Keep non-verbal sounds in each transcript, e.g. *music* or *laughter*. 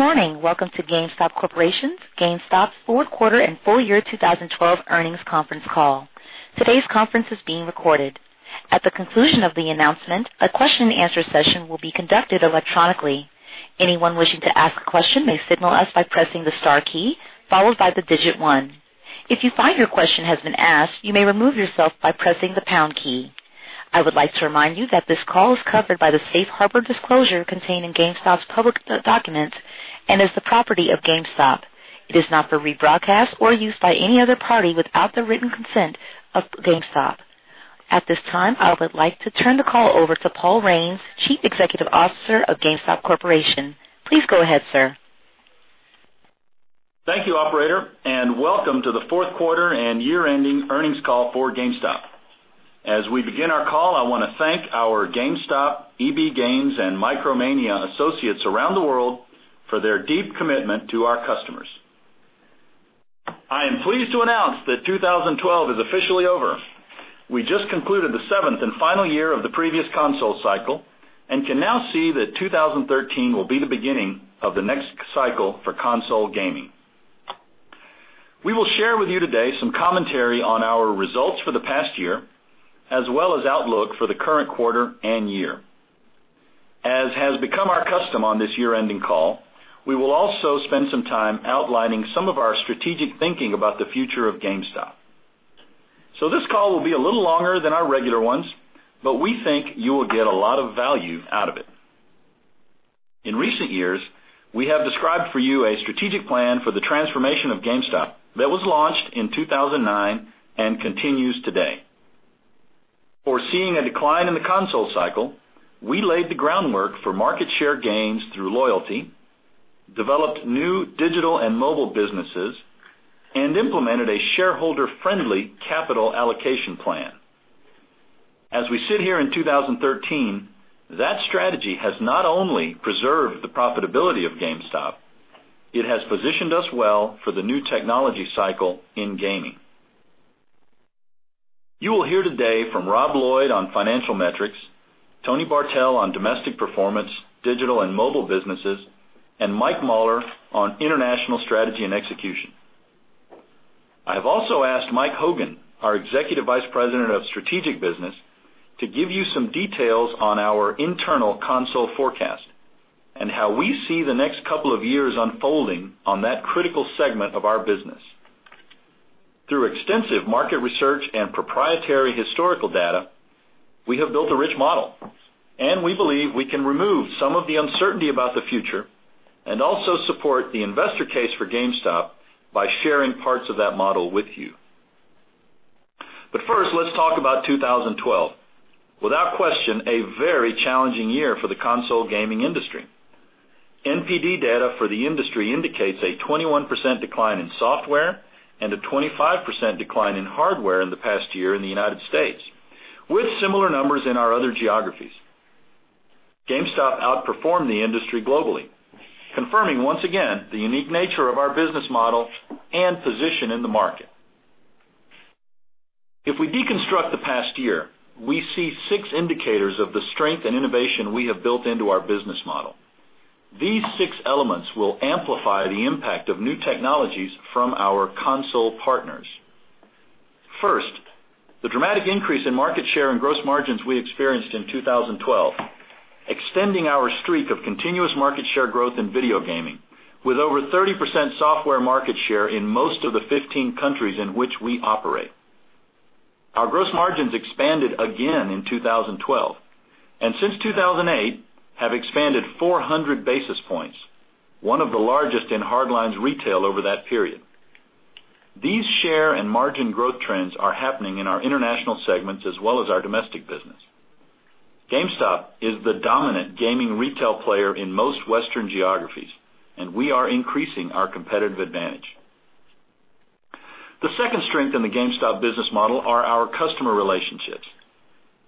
Good morning. Welcome to GameStop Corporation's fourth quarter and full year 2012 earnings conference call. Today's conference is being recorded. At the conclusion of the announcement, a question and answer session will be conducted electronically. Anyone wishing to ask a question may signal us by pressing the star key, followed by 1. If you find your question has been asked, you may remove yourself by pressing the pound key. I would like to remind you that this call is covered by the safe harbor disclosure contained in GameStop's public documents and is the property of GameStop. It is not for rebroadcast or use by any other party without the written consent of GameStop. At this time, I would like to turn the call over to Paul Raines, Chief Executive Officer of GameStop Corporation. Please go ahead, sir. Thank you, operator. Welcome to the fourth quarter and year-ending earnings call for GameStop. As we begin our call, I want to thank our GameStop, EB Games, and Micromania associates around the world for their deep commitment to our customers. I am pleased to announce that 2012 is officially over. We just concluded the seventh and final year of the previous console cycle and can now see that 2013 will be the beginning of the next cycle for console gaming. We will share with you today some commentary on our results for the past year, as well as outlook for the current quarter and year. As has become our custom on this year-ending call, we will also spend some time outlining some of our strategic thinking about the future of GameStop. This call will be a little longer than our regular ones, but we think you will get a lot of value out of it. In recent years, we have described for you a strategic plan for the transformation of GameStop that was launched in 2009 and continues today. Foreseeing a decline in the console cycle, we laid the groundwork for market share gains through loyalty, developed new digital and mobile businesses, and implemented a shareholder-friendly capital allocation plan. As we sit here in 2013, that strategy has not only preserved the profitability of GameStop, it has positioned us well for the new technology cycle in gaming. You will hear today from Rob Lloyd on financial metrics, Tony Bartel on domestic performance, digital and mobile businesses, and Mike Mauler on international strategy and execution. I have also asked Mike Hogan, our Executive Vice President of Strategic Business, to give you some details on our internal console forecast and how we see the next couple of years unfolding on that critical segment of our business. Through extensive market research and proprietary historical data, we have built a rich model, and we believe we can remove some of the uncertainty about the future and also support the investor case for GameStop by sharing parts of that model with you. First, let's talk about 2012, without question, a very challenging year for the console gaming industry. NPD data for the industry indicates a 21% decline in software and a 25% decline in hardware in the past year in the U.S., with similar numbers in our other geographies. GameStop outperformed the industry globally, confirming once again the unique nature of our business model and position in the market. If we deconstruct the past year, we see six indicators of the strength and innovation we have built into our business model. These six elements will amplify the impact of new technologies from our console partners. First, the dramatic increase in market share and gross margins we experienced in 2012, extending our streak of continuous market share growth in video gaming, with over 30% software market share in most of the 15 countries in which we operate. Our gross margins expanded again in 2012, and since 2008 have expanded 400 basis points, one of the largest in hard lines retail over that period. These share and margin growth trends are happening in our international segments as well as our domestic business. GameStop is the dominant gaming retail player in most Western geographies. We are increasing our competitive advantage. The second strength in the GameStop business model are our customer relationships.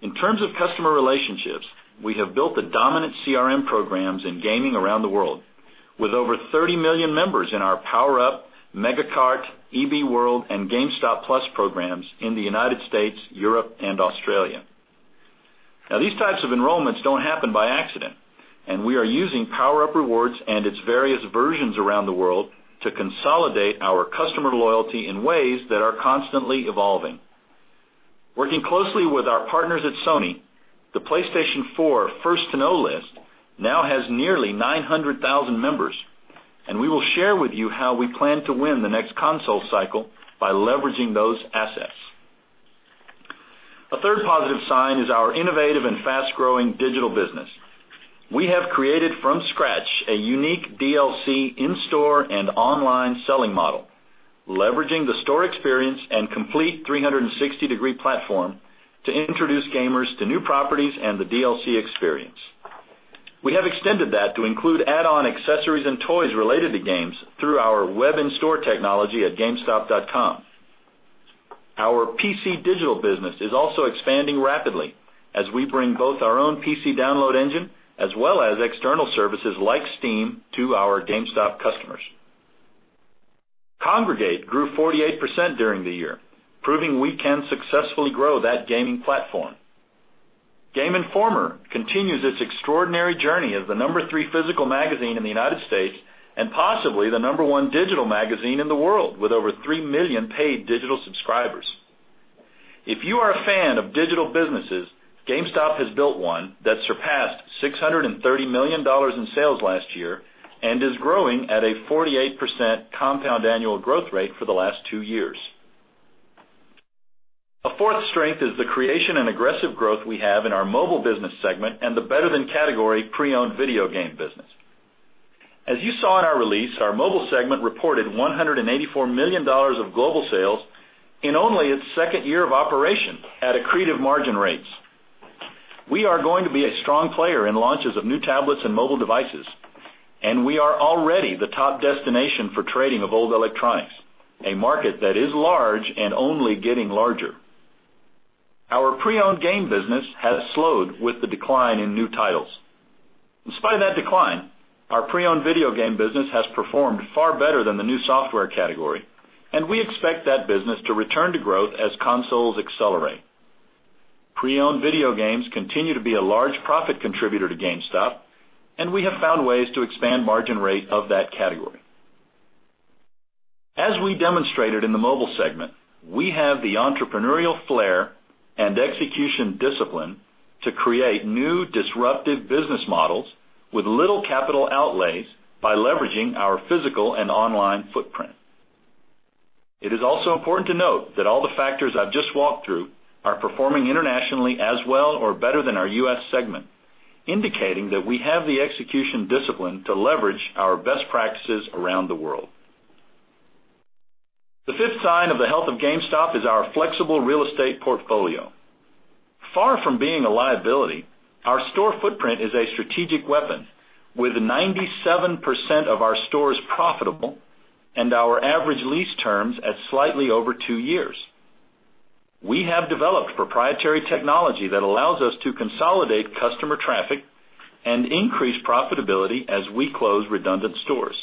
In terms of customer relationships, we have built the dominant CRM programs in gaming around the world, with over 30 million members in our PowerUp, Megacard, EB World, and GameStop Plus programs in the United States, Europe, and Australia. These types of enrollments don't happen by accident, and we are using PowerUp Rewards and its various versions around the world to consolidate our customer loyalty in ways that are constantly evolving. Working closely with our partners at Sony, the PlayStation 4 First to Know list now has nearly 900,000 members, and we will share with you how we plan to win the next console cycle by leveraging those assets. A third positive sign is our innovative and fast-growing digital business. We have created from scratch a unique DLC in-store and online selling model, leveraging the store experience and complete 360-degree platform to introduce gamers to new properties and the DLC experience. We have extended that to include add-on accessories and toys related to games through our web-in-store technology at gamestop.com. Our PC digital business is also expanding rapidly as we bring both our own PC download engine as well as external services like Steam to our GameStop customers. Kongregate grew 48% during the year, proving we can successfully grow that gaming platform. Game Informer continues its extraordinary journey as the number three physical magazine in the United States and possibly the number one digital magazine in the world, with over three million paid digital subscribers. If you are a fan of digital businesses, GameStop has built one that surpassed $630 million in sales last year and is growing at a 48% compound annual growth rate for the last two years. A fourth strength is the creation and aggressive growth we have in our mobile business segment and the better-than-category pre-owned video game business. As you saw in our release, our mobile segment reported $184 million of global sales in only its second year of operation at accretive margin rates. We are going to be a strong player in launches of new tablets and mobile devices. We are already the top destination for trading of old electronics, a market that is large and only getting larger. Our pre-owned game business has slowed with the decline in new titles. In spite of that decline, our pre-owned video game business has performed far better than the new software category. We expect that business to return to growth as consoles accelerate. Pre-owned video games continue to be a large profit contributor to GameStop, and we have found ways to expand margin rate of that category. As we demonstrated in the mobile segment, we have the entrepreneurial flair and execution discipline to create new disruptive business models with little capital outlays by leveraging our physical and online footprint. It is also important to note that all the factors I've just walked through are performing internationally as well or better than our U.S. segment, indicating that we have the execution discipline to leverage our best practices around the world. The fifth sign of the health of GameStop is our flexible real estate portfolio. Far from being a liability, our store footprint is a strategic weapon. With 97% of our stores profitable and our average lease terms at slightly over two years, we have developed proprietary technology that allows us to consolidate customer traffic and increase profitability as we close redundant stores.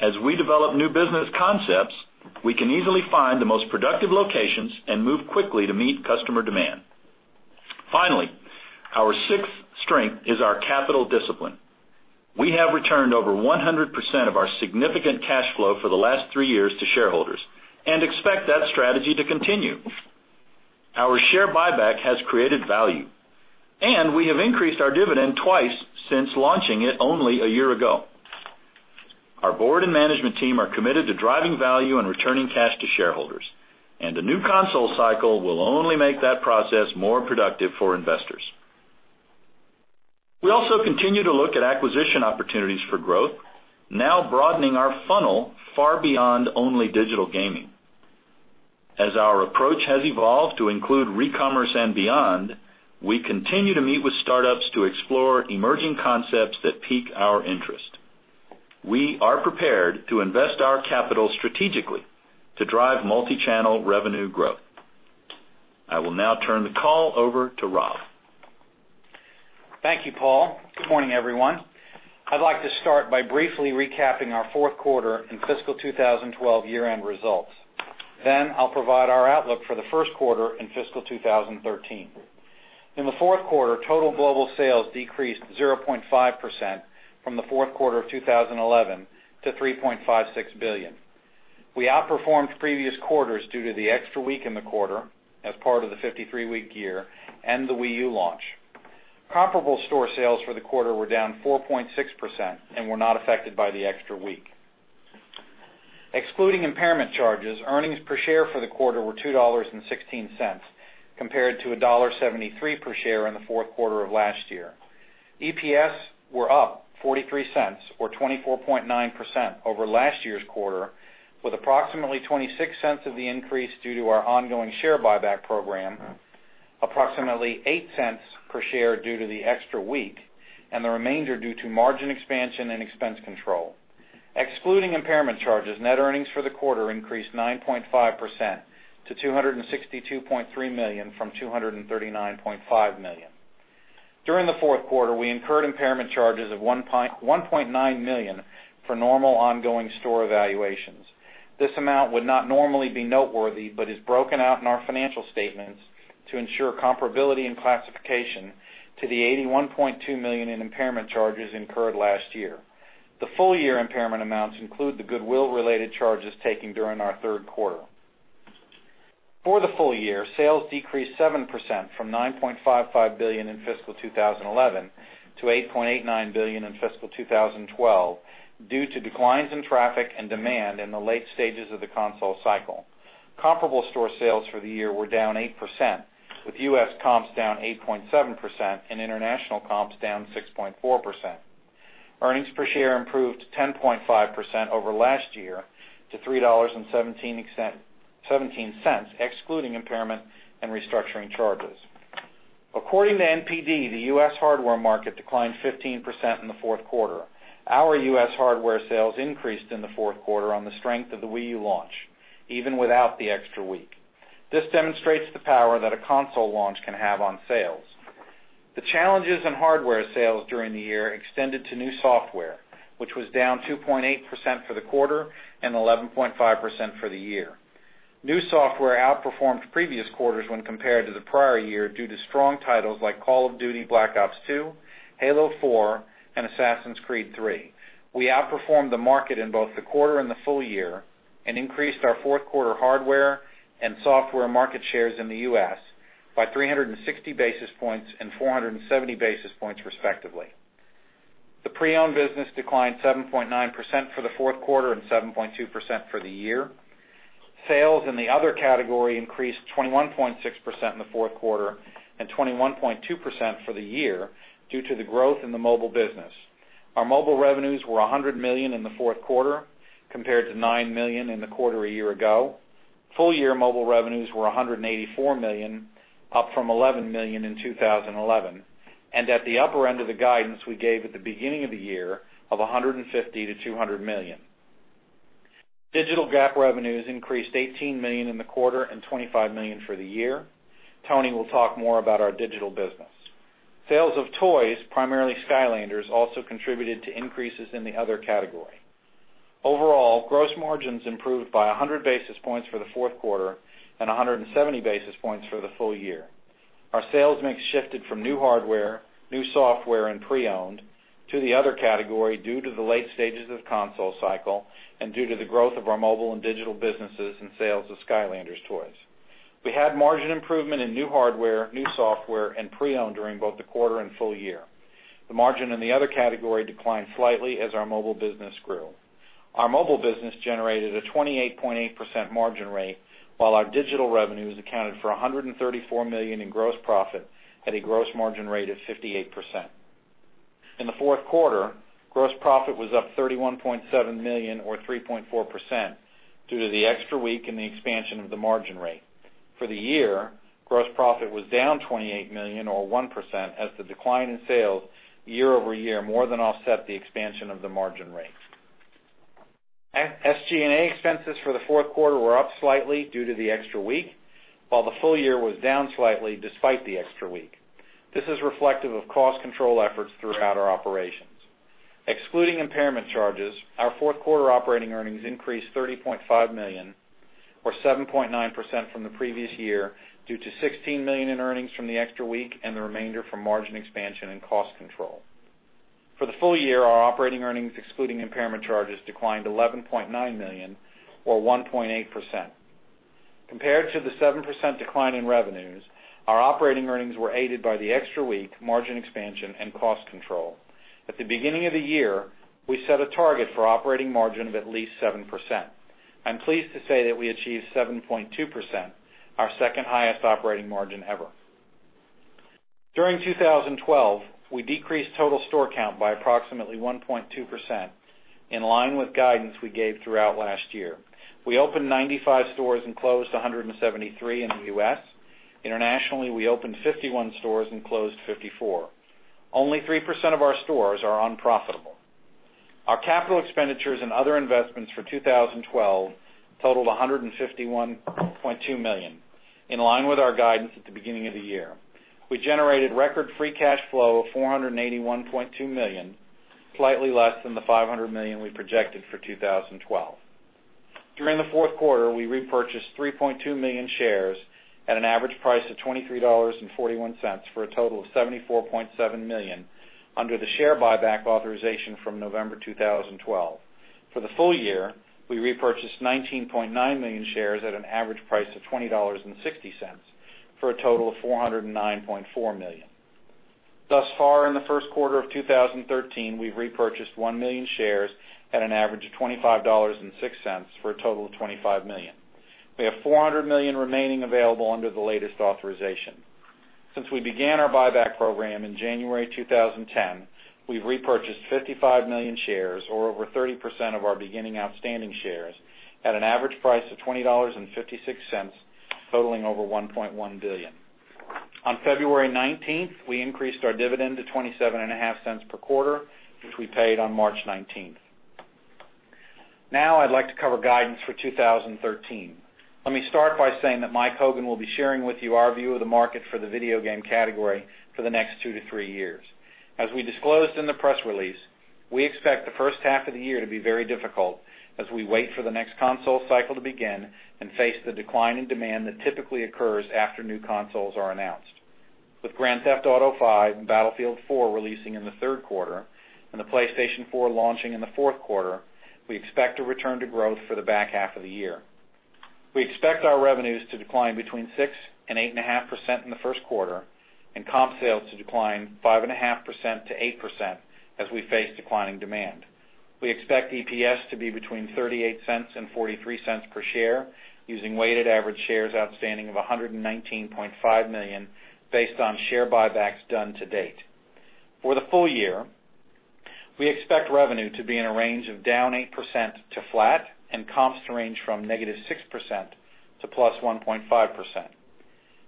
As we develop new business concepts, we can easily find the most productive locations and move quickly to meet customer demand. Finally, our sixth strength is our capital discipline. We have returned over 100% of our significant cash flow for the last three years to shareholders and expect that strategy to continue. Our share buyback has created value, and we have increased our dividend twice since launching it only a year ago. Our board and management team are committed to driving value and returning cash to shareholders, and a new console cycle will only make that process more productive for investors. We also continue to look at acquisition opportunities for growth, now broadening our funnel far beyond only digital gaming. As our approach has evolved to include recommerce and beyond, we continue to meet with startups to explore emerging concepts that pique our interest. We are prepared to invest our capital strategically to drive multi-channel revenue growth. I will now turn the call over to Rob. Thank you, Paul. Good morning, everyone. I'd like to start by briefly recapping our fourth quarter and fiscal 2012 year-end results. I'll provide our outlook for the first quarter in fiscal 2013. In the fourth quarter, total global sales decreased 0.5% from the fourth quarter of 2011 to $3.56 billion. We outperformed previous quarters due to the extra week in the quarter as part of the 53-week year and the Wii U launch. Comparable store sales for the quarter were down 4.6% and were not affected by the extra week. Excluding impairment charges, earnings per share for the quarter were $2.16 compared to $1.73 per share in the fourth quarter of last year. EPS were up $0.43 or 24.9% over last year's quarter, with approximately $0.26 of the increase due to our ongoing share buyback program, approximately $0.08 per share due to the extra week, and the remainder due to margin expansion and expense control. Excluding impairment charges, net earnings for the quarter increased 9.5% to $262.3 million from $239.5 million. During the fourth quarter, we incurred impairment charges of $1.9 million for normal ongoing store evaluations. This amount would not normally be noteworthy, but is broken out in our financial statements to ensure comparability and classification to the $81.2 million in impairment charges incurred last year. The full year impairment amounts include the goodwill-related charges taken during our third quarter. For the full year, sales decreased 7% from $9.55 billion in fiscal 2011 to $8.89 billion in fiscal 2012 due to declines in traffic and demand in the late stages of the console cycle. Comparable store sales for the year were down 8%, with U.S. comps down 8.7% and international comps down 6.4%. Earnings per share improved 10.5% over last year to $3.17, excluding impairment and restructuring charges. According to NPD, the U.S. hardware market declined 15% in the fourth quarter. Our U.S. hardware sales increased in the fourth quarter on the strength of the Wii U launch, even without the extra week. This demonstrates the power that a console launch can have on sales. The challenges in hardware sales during the year extended to new software, which was down 2.8% for the quarter and 11.5% for the year. New software outperformed previous quarters when compared to the prior year due to strong titles like "Call of Duty: Black Ops II," "Halo 4," and "Assassin's Creed III." We outperformed the market in both the quarter and the full year and increased our fourth quarter hardware and software market shares in the U.S. by 360 basis points and 470 basis points respectively. The pre-owned business declined 7.9% for the fourth quarter and 7.2% for the year. Sales in the other category increased 21.6% in the fourth quarter and 21.2% for the year due to the growth in the mobile business. Our mobile revenues were $100 million in the fourth quarter compared to $9 million in the quarter a year ago. Full-year mobile revenues were $184 million, up from $11 million in 2011, and at the upper end of the guidance we gave at the beginning of the year of $150 million-$200 million. Digital GAAP revenues increased $18 million in the quarter and $25 million for the year. Tony will talk more about our digital business. Sales of toys, primarily Skylanders, also contributed to increases in the other category. Overall, gross margins improved by 100 basis points for the fourth quarter and 170 basis points for the full year. Our sales mix shifted from new hardware, new software, and pre-owned to the other category due to the late stages of the console cycle and due to the growth of our mobile and digital businesses and sales of Skylanders toys. We had margin improvement in new hardware, new software, and pre-owned during both the quarter and full year. The margin in the other category declined slightly as our mobile business grew. Our mobile business generated a 28.8% margin rate, while our digital revenues accounted for $134 million in gross profit at a gross margin rate of 58%. In the fourth quarter, gross profit was up $31.7 million or 3.4% due to the extra week and the expansion of the margin rate. For the year, gross profit was down $28 million or 1% as the decline in sales year-over-year more than offset the expansion of the margin rate. SG&A expenses for the fourth quarter were up slightly due to the extra week, while the full year was down slightly despite the extra week. This is reflective of cost control efforts throughout our operations. Excluding impairment charges, our fourth quarter operating earnings increased $30.5 million or 7.9% from the previous year due to $16 million in earnings from the extra week and the remainder from margin expansion and cost control. For the full year, our operating earnings, excluding impairment charges, declined $11.9 million or 1.8%. Compared to the 7% decline in revenues, our operating earnings were aided by the extra week, margin expansion, and cost control. At the beginning of the year, we set a target for operating margin of at least 7%. I'm pleased to say that we achieved 7.2%, our second-highest operating margin ever. During 2012, we decreased total store count by approximately 1.2%, in line with guidance we gave throughout last year. We opened 95 stores and closed 173 in the U.S. Internationally, we opened 51 stores and closed 54. Only 3% of our stores are unprofitable. Our capital expenditures and other investments for 2012 totaled $151.2 million, in line with our guidance at the beginning of the year. We generated record free cash flow of $481.2 million, slightly less than the $500 million we projected for 2012. During the fourth quarter, we repurchased 3.2 million shares at an average price of $23.41 for a total of $74.7 million under the share buyback authorization from November 2012. For the full year, we repurchased 19.9 million shares at an average price of $20.60 for a total of $409.4 million. Thus far in the first quarter of 2013, we've repurchased 1 million shares at an average of $25.06 for a total of $25 million. We have $400 million remaining available under the latest authorization. Since we began our buyback program in January 2010, we've repurchased 55 million shares, or over 30% of our beginning outstanding shares, at an average price of $20.56, totaling over $1.1 billion. On February 19th, we increased our dividend to $0.275 per quarter, which we paid on March 19th. Now I'd like to cover guidance for 2013. Let me start by saying that Mike Hogan will be sharing with you our view of the market for the video game category for the next two to three years. As we disclosed in the press release, we expect the first half of the year to be very difficult as we wait for the next console cycle to begin and face the decline in demand that typically occurs after new consoles are announced. With Grand Theft Auto V and Battlefield 4 releasing in the third quarter and the PlayStation 4 launching in the fourth quarter, we expect to return to growth for the back half of the year. We expect our revenues to decline between 6% and 8.5% in the first quarter and comp sales to decline 5.5%-8% as we face declining demand. We expect EPS to be between $0.38 and $0.43 per share using weighted average shares outstanding of 119.5 million based on share buybacks done to date. For the full year, we expect revenue to be in a range of -8% to flat and comps to range from -6% to +1.5%.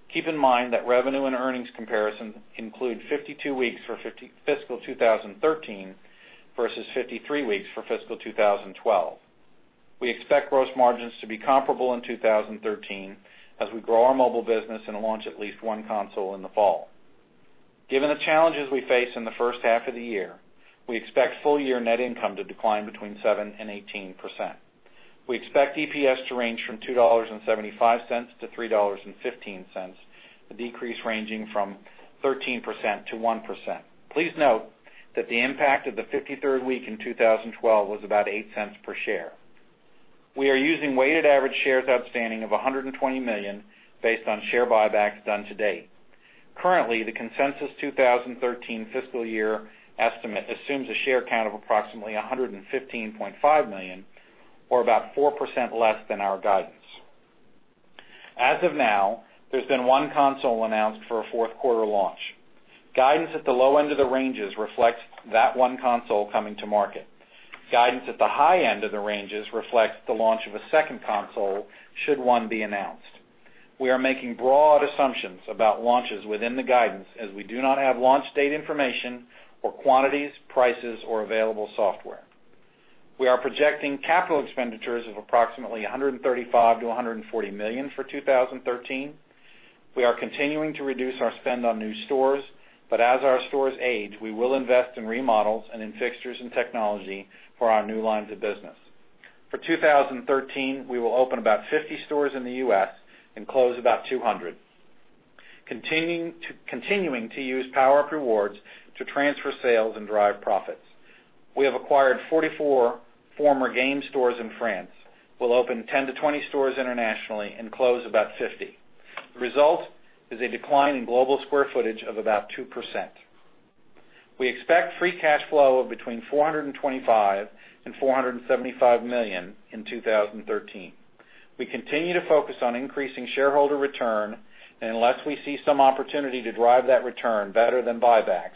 Keep in mind that revenue and earnings comparison include 52 weeks for fiscal 2013 versus 53 weeks for fiscal 2012. We expect gross margins to be comparable in 2013 as we grow our mobile business and launch at least one console in the fall. Given the challenges we face in the first half of the year, we expect full-year net income to decline between 7% and 18%. We expect EPS to range from $2.75-$3.15, a decrease ranging from 13% to 1%. Please note that the impact of the 53rd week in 2012 was about $0.08 per share. We are using weighted average shares outstanding of 120 million based on share buybacks done to date. Currently, the consensus 2013 fiscal year estimate assumes a share count of approximately 115.5 million, or about 4% less than our guidance. As of now, there has been one console announced for a fourth quarter launch. Guidance at the low end of the ranges reflects that one console coming to market. Guidance at the high end of the ranges reflects the launch of a second console, should one be announced. We are making broad assumptions about launches within the guidance, as we do not have launch date information for quantities, prices, or available software. We are projecting capital expenditures of approximately $135 million-$140 million for 2013. We are continuing to reduce our spend on new stores, but as our stores age, we will invest in remodels and in fixtures and technology for our new lines of business. For 2013, we will open about 50 stores in the U.S. and close about 200, continuing to use PowerUp Rewards to transfer sales and drive profits. We have acquired 44 former GAME stores in France. We will open 10-20 stores internationally and close about 50. The result is a decline in global square footage of about 2%. We expect free cash flow of between $425 million and $475 million in 2013. We continue to focus on increasing shareholder return, and unless we see some opportunity to drive that return better than buybacks,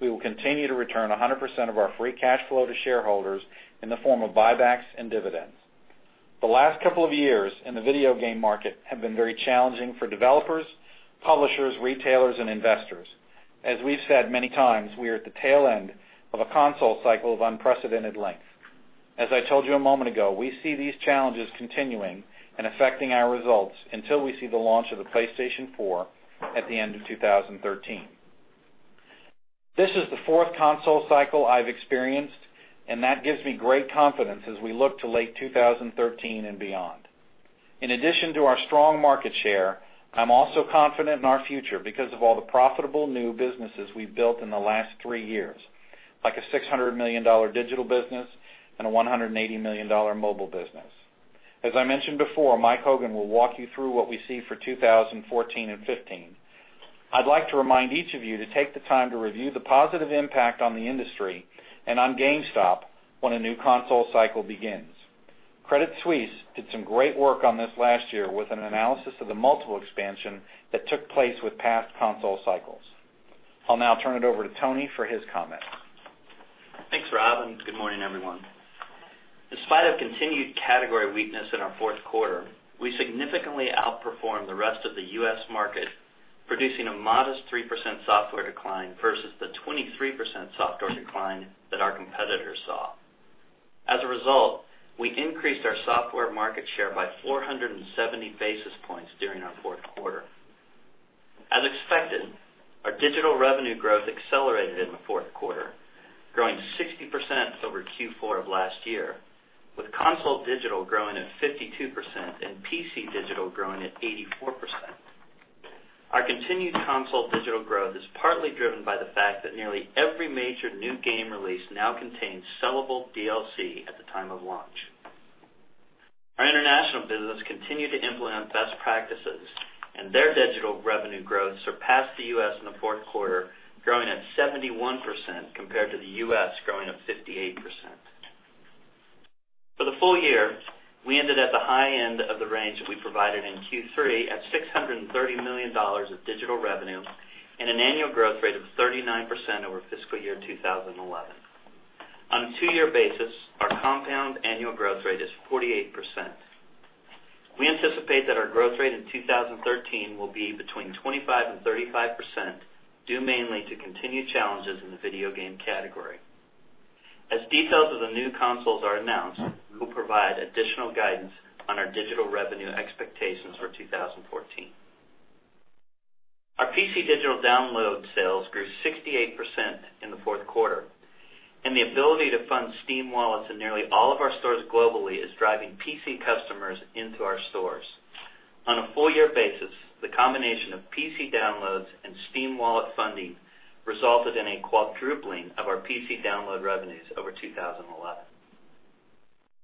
we will continue to return 100% of our free cash flow to shareholders in the form of buybacks and dividends. The last couple of years in the video game market have been very challenging for developers, publishers, retailers, and investors. As we have said many times, we are at the tail end of a console cycle of unprecedented length. As I told you a moment ago, we see these challenges continuing and affecting our results until we see the launch of the PlayStation 4 at the end of 2013. This is the fourth console cycle I have experienced, and that gives me great confidence as we look to late 2013 and beyond. In addition to our strong market share, I'm also confident in our future because of all the profitable new businesses we've built in the last three years, like a $600 million digital business and a $180 million mobile business. As I mentioned before, Mike Hogan will walk you through what we see for 2014 and 2015. I'd like to remind each of you to take the time to review the positive impact on the industry and on GameStop when a new console cycle begins. Credit Suisse did some great work on this last year with an analysis of the multiple expansion that took place with past console cycles. I'll now turn it over to Tony for his comment. Thanks, Rob, and good morning, everyone. In spite of continued category weakness in our fourth quarter, we significantly outperformed the rest of the U.S. market, producing a modest 3% software decline versus the 23% software decline that our competitors saw. As a result, we increased our software market share by 470 basis points during our fourth quarter. As expected, our digital revenue growth accelerated in the fourth quarter, growing 60% over Q4 of last year, with console digital growing at 52% and PC digital growing at 84%. Our continued console digital growth is partly driven by the fact that nearly every major new game release now contains sellable DLC at the time of launch. Our international business continued to implement best practices, and their digital revenue growth surpassed the U.S. in the fourth quarter, growing at 71% compared to the U.S. growing at 58%. For the full year, we ended at the high end of the range that we provided in Q3 at $630 million of digital revenue and an annual growth rate of 39% over fiscal year 2011. On a two-year basis, our compound annual growth rate is 48%. We anticipate that our growth rate in 2013 will be between 25% and 35%, due mainly to continued challenges in the video game category. As details of the new consoles are announced, we'll provide additional guidance on our digital revenue expectations for 2014. Our PC digital download sales grew 68% in the fourth quarter, and the ability to fund Steam Wallets in nearly all of our stores globally is driving PC customers into our stores. On a full year basis, the combination of PC downloads and Steam Wallet funding resulted in a quadrupling of our PC download revenues over 2011.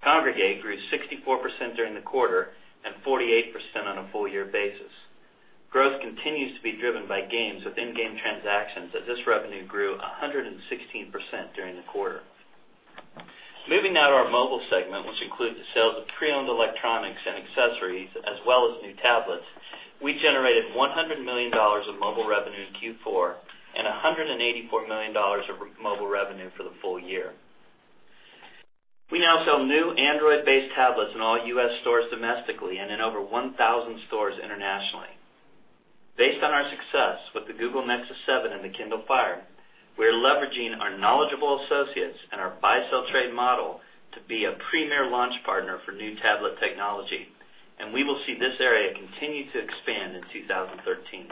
Kongregate grew 64% during the quarter and 48% on a full year basis. Growth continues to be driven by games with in-game transactions, as this revenue grew 116% during the quarter. Moving now to our mobile segment, which includes the sales of pre-owned electronics and accessories, as well as new tablets, we generated $100 million of mobile revenue in Q4 and $184 million of mobile revenue for the full year. We now sell new Android-based tablets in all U.S. stores domestically and in over 1,000 stores internationally. Based on our success with the Google Nexus 7 and the Kindle Fire, we are leveraging our knowledgeable associates and our buy-sell-trade model to be a premier launch partner for new tablet technology, and we will see this area continue to expand in 2013.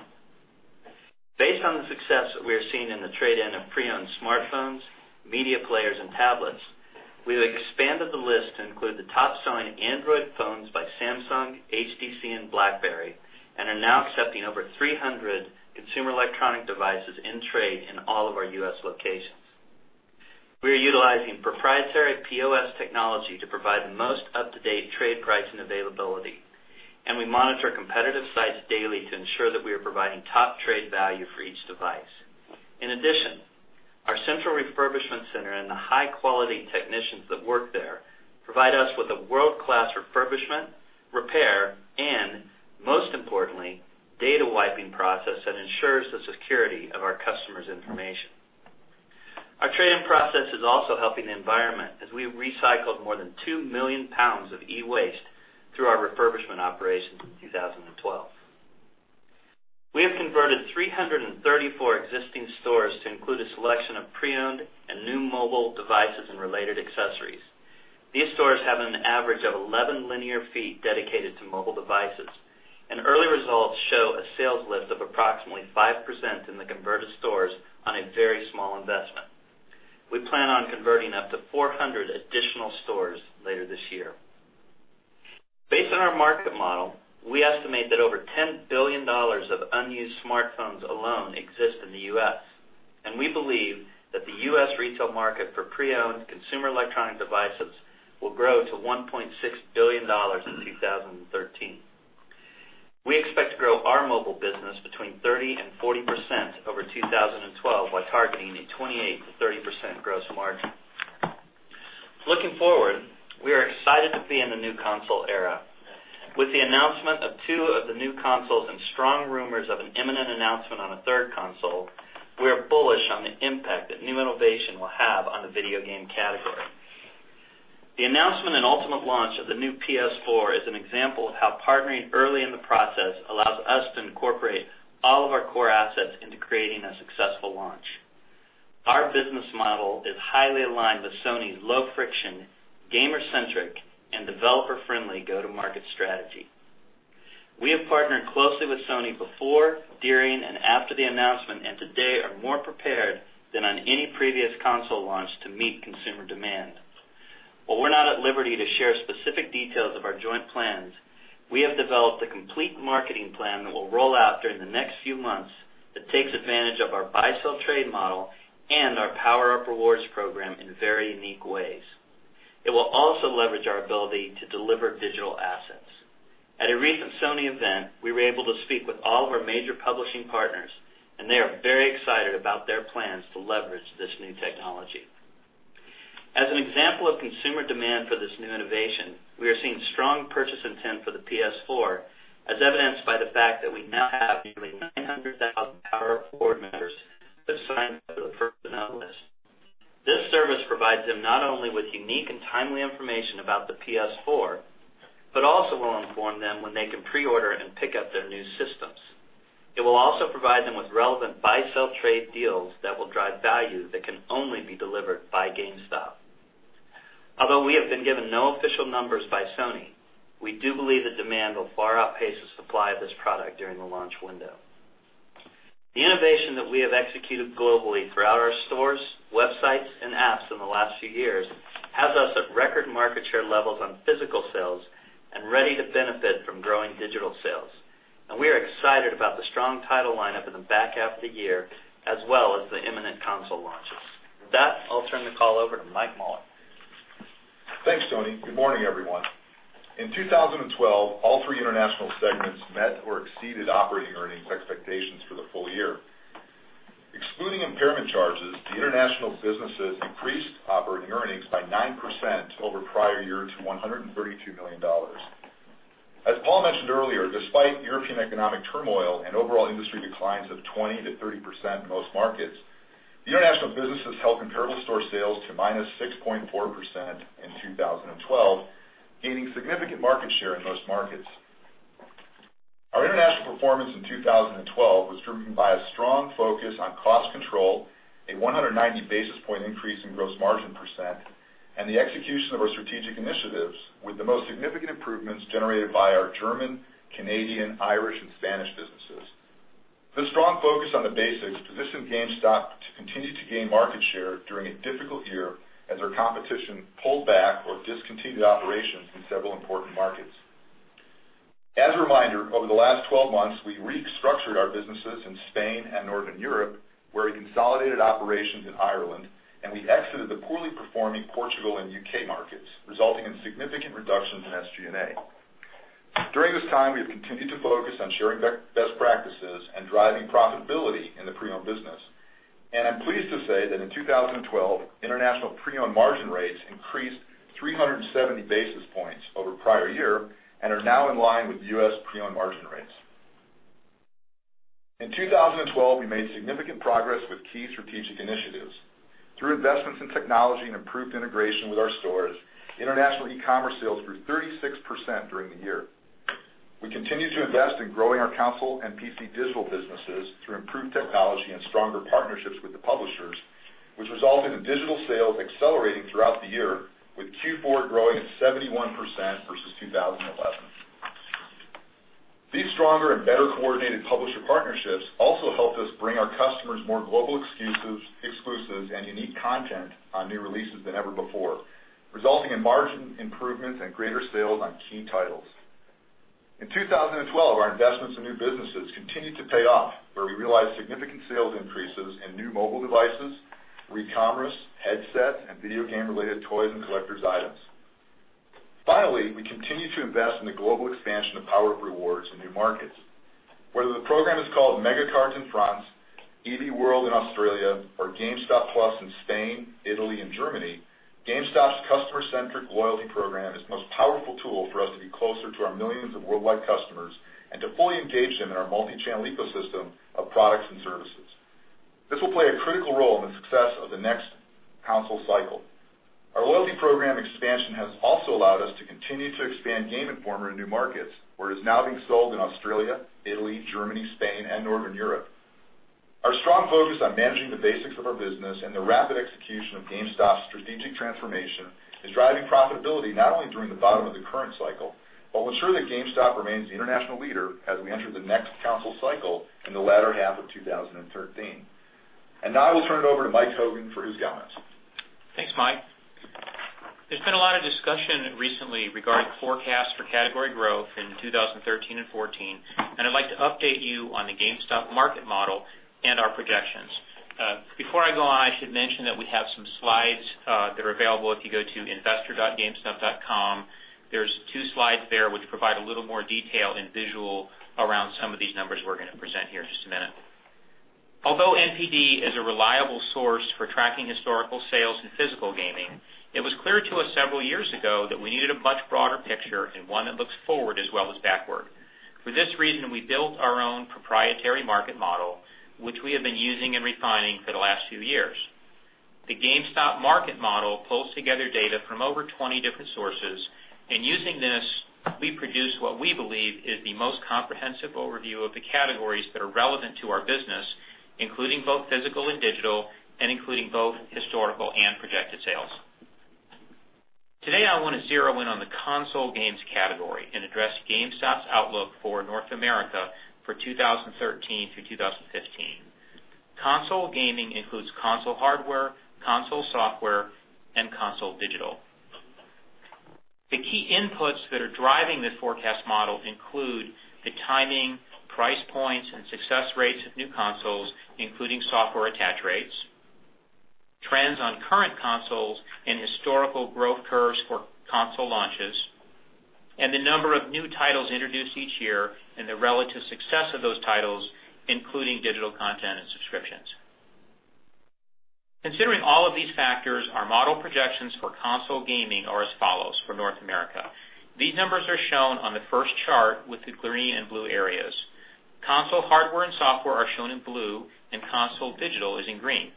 Based on the success that we are seeing in the trade-in of pre-owned smartphones, media players, and tablets, we have expanded the list to include the top-selling Android phones by Samsung, HTC, and BlackBerry, and are now accepting over 300 consumer electronic devices in trade in all of our U.S. locations. We are utilizing proprietary POS technology to provide the most up-to-date trade price and availability, and we monitor competitive sites daily to ensure that we are providing top trade value for each device. In addition, our central refurbishment center and the high-quality technicians that work there provide us with a world-class refurbishment, repair, and, most importantly, data wiping process that ensures the security of our customers' information. Our trade-in process is also helping the environment as we recycled more than 2 million pounds of e-waste through our refurbishment operations in 2012. We have converted 334 existing stores to include a selection of pre-owned and new mobile devices and related accessories. These stores have an average of 11 linear feet dedicated to mobile devices, and early results show a sales lift of approximately 5% in the converted stores on a very small investment. We plan on converting up to 400 additional stores later this year. Based on our market model, we estimate that over $10 billion of unused smartphones alone exist in the U.S., and we believe that the U.S. retail market for pre-owned consumer electronic devices will grow to $1.6 billion in 2013. We expect to grow our mobile business between 30% and 40% over 2012 while targeting a 28% to 30% gross margin. Looking forward, we are excited to be in the new console era. With the announcement of two of the new consoles and strong rumors of an imminent announcement on a third console, we are bullish on the impact that new innovation will have on the video game category. The announcement and ultimate launch of the new PS4 is an example of how partnering early in the process allows us to incorporate all of our core assets into creating a successful launch. Our business model is highly aligned with Sony's low-friction, gamer-centric, and developer-friendly go-to-market strategy. We have partnered closely with Sony before, during, and after the announcement, and today are more prepared than on any previous console launch to meet consumer demand. While we're not at liberty to share specific details of our joint plans, we have developed a complete marketing plan that will roll out during the next few months that takes advantage of our buy-sell-trade model and our PowerUp Rewards program in very unique ways. It will also leverage our ability to deliver digital assets. At a recent Sony event, we were able to speak with all of our major publishing partners, and they are very excited about their plans to leverage this new technology. As an example of consumer demand for this new innovation, we are seeing strong purchase intent for the PS4, as evidenced by the fact that we now have nearly 900,000 PowerUp Rewards members that have signed up for the preference mailing list. This service provides them not only with unique and timely information about the PS4, but also will inform them when they can pre-order and pick up their new systems. It will also provide them with relevant buy-sell-trade deals that will drive value that can only be delivered by GameStop. Although we have been given no official numbers by Sony, we do believe the demand will far outpace the supply of this product during the launch window. The innovation that we have executed globally throughout our stores, websites, and apps in the last few years has us at record market share levels on physical sales and ready to benefit from growing digital sales. We are excited about the strong title lineup in the back half of the year, as well as the imminent console launches. With that, I'll turn the call over to Mike Mauler. Thanks, Tony. Good morning, everyone. In 2012, all three international segments met or exceeded operating earnings expectations for the full year. Excluding impairment charges, the international businesses increased operating earnings by 9% over prior year to $132 million. As Paul mentioned earlier, despite European economic turmoil and overall industry declines of 20% to 30% in most markets, the international businesses held comparable store sales to -6.4% in 2012, gaining significant market share in most markets. Our international performance in 2012 was driven by a strong focus on cost control, a 190 basis point increase in gross margin percent, and the execution of our strategic initiatives with the most significant improvements generated by our German, Canadian, Irish, and Spanish businesses. The strong focus on the basics positioned GameStop to continue to gain market share during a difficult year as our competition pulled back or discontinued operations in several important markets. As a reminder, over the last 12 months, we restructured our businesses in Spain and Northern Europe, where we consolidated operations in Ireland, and we exited the poorly performing Portugal and U.K. markets, resulting in significant reductions in SG&A. During this time, we have continued to focus on sharing best practices and driving profitability in the pre-owned business, and I'm pleased to say that in 2012, international pre-owned margin rates increased 370 basis points over prior year and are now in line with U.S. pre-owned margin rates. In 2012, we made significant progress with key strategic initiatives. Through investments in technology and improved integration with our stores, international e-commerce sales grew 36% during the year. We continue to invest in growing our console and PC digital businesses through improved technology and stronger partnerships with the publishers, which resulted in digital sales accelerating throughout the year, with Q4 growing at 71% versus 2011. These stronger and better-coordinated publisher partnerships also helped us bring our customers more global exclusives and unique content on new releases than ever before, resulting in margin improvements and greater sales on key titles. In 2012, our investments in new businesses continued to pay off, where we realized significant sales increases in new mobile devices, e-commerce, headsets, and video game-related toys and collector's items. Finally, we continue to invest in the global expansion of PowerUp Rewards in new markets. Whether the program is called Megacard in France, EB World in Australia, or GameStop Plus in Spain, Italy, and Germany, GameStop's customer-centric loyalty program is the most powerful tool for us to be closer to our millions of worldwide customers and to fully engage them in our multi-channel ecosystem of products and services. This will play a critical role in the success of the next console cycle. Our loyalty program expansion has also allowed us to continue to expand Game Informer in new markets, where it's now being sold in Australia, Italy, Germany, Spain, and Northern Europe. Our strong focus on managing the basics of our business and the rapid execution of GameStop's strategic transformation is driving profitability not only during the bottom of the current cycle, but will ensure that GameStop remains the international leader as we enter the next console cycle in the latter half of 2013. Now I will turn it over to Michael Hogan for his comments. Thanks, Mike. There's been a lot of discussion recently regarding forecasts for category growth in 2013 and 2014, and I'd like to update you on the GameStop market model and our projections. Before I go on, I should mention that we have some slides that are available if you go to investor.gamestop.com. There's two slides there which provide a little more detail and visual around some of these numbers we're going to present here in just a minute. Although NPD is a reliable source for tracking historical sales in physical gaming, it was clear to us several years ago that we needed a much broader picture and one that looks forward as well as backward. For this reason, we built our own proprietary market model, which we have been using and refining for the last few years. The GameStop market model pulls together data from over 20 different sources, and using this, we produce what we believe is the most comprehensive overview of the categories that are relevant to our business, including both physical and digital, and including both historical and projected sales. Today, I want to zero in on the console games category and address GameStop's outlook for North America for 2013 through 2015. Console gaming includes console hardware, console software, and console digital. The key inputs that are driving this forecast model include the timing, price points, and success rates of new consoles, including software attach rates, trends on current consoles, and historical growth curves for console launches, and the number of new titles introduced each year and the relative success of those titles, including digital content and subscriptions. Considering all of these factors, our model projections for console gaming are as follows for North America. These numbers are shown on the first chart with the green and blue areas. Console hardware and software are shown in blue, and console digital is in green.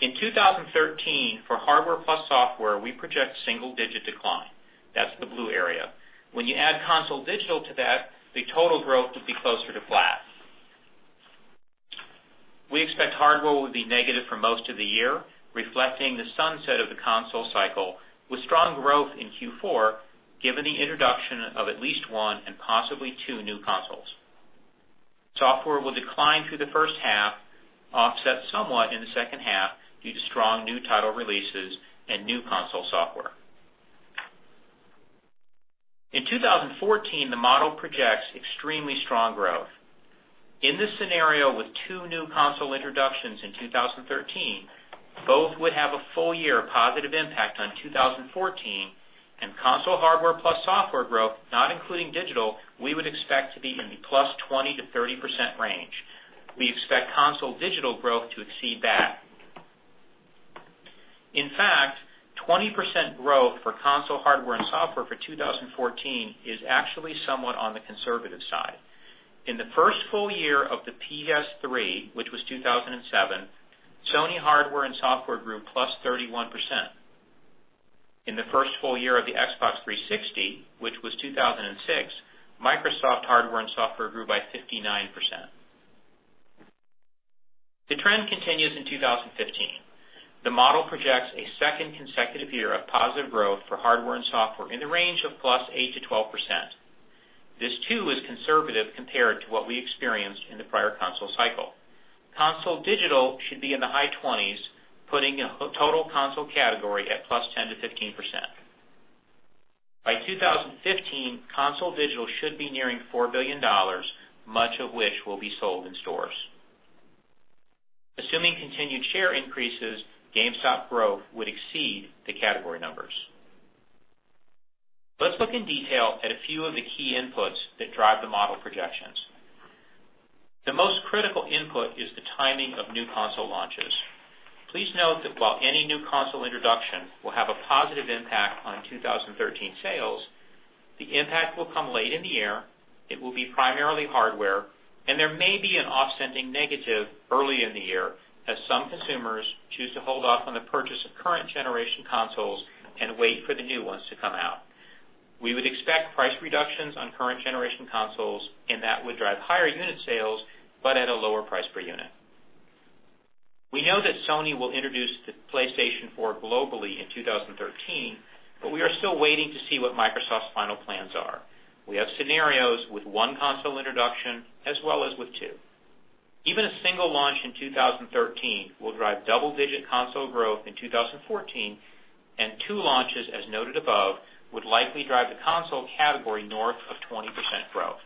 In 2013, for hardware plus software, we project single-digit decline. That's the blue area. When you add console digital to that, the total growth would be closer to flat. We expect hardware will be negative for most of the year, reflecting the sunset of the console cycle, with strong growth in Q4, given the introduction of at least one and possibly two new consoles. Software will decline through the first half, offset somewhat in the second half due to strong new title releases and new console software. In 2014, the model projects extremely strong growth. In this scenario with two new console introductions in 2013, both would have a full year positive impact on 2014, and console hardware plus software growth, not including digital, we would expect to be in the +20%-30% range. We expect console digital growth to exceed that. In fact, 20% growth for console hardware and software for 2014 is actually somewhat on the conservative side. In the first full year of the PS3, which was 2007, Sony hardware and software grew +31%. In the first full year of the Xbox 360, which was 2006, Microsoft hardware and software grew by 59%. The trend continues in 2015. The model projects a second consecutive year of positive growth for hardware and software in the range of +8%-12%. This too is conservative compared to what we experienced in the prior console cycle. Console digital should be in the high 20s, putting a total console category at +10%-15%. By 2015, console digital should be nearing $4 billion, much of which will be sold in stores. Assuming continued share increases, GameStop growth would exceed the category numbers. Let's look in detail at a few of the key inputs that drive the model projections. The most critical input is the timing of new console launches. Please note that while any new console introduction will have a positive impact on 2013 sales, the impact will come late in the year, it will be primarily hardware, and there may be an offsetting negative early in the year as some consumers choose to hold off on the purchase of current generation consoles and wait for the new ones to come out. We would expect price reductions on current generation consoles. That would drive higher unit sales, but at a lower price per unit. We know that Sony will introduce the PlayStation 4 globally in 2013. We are still waiting to see what Microsoft's final plans are. We have scenarios with one console introduction as well as with two. Even a single launch in 2013 will drive double-digit console growth in 2014. Two launches, as noted above, would likely drive the console category north of 20% growth.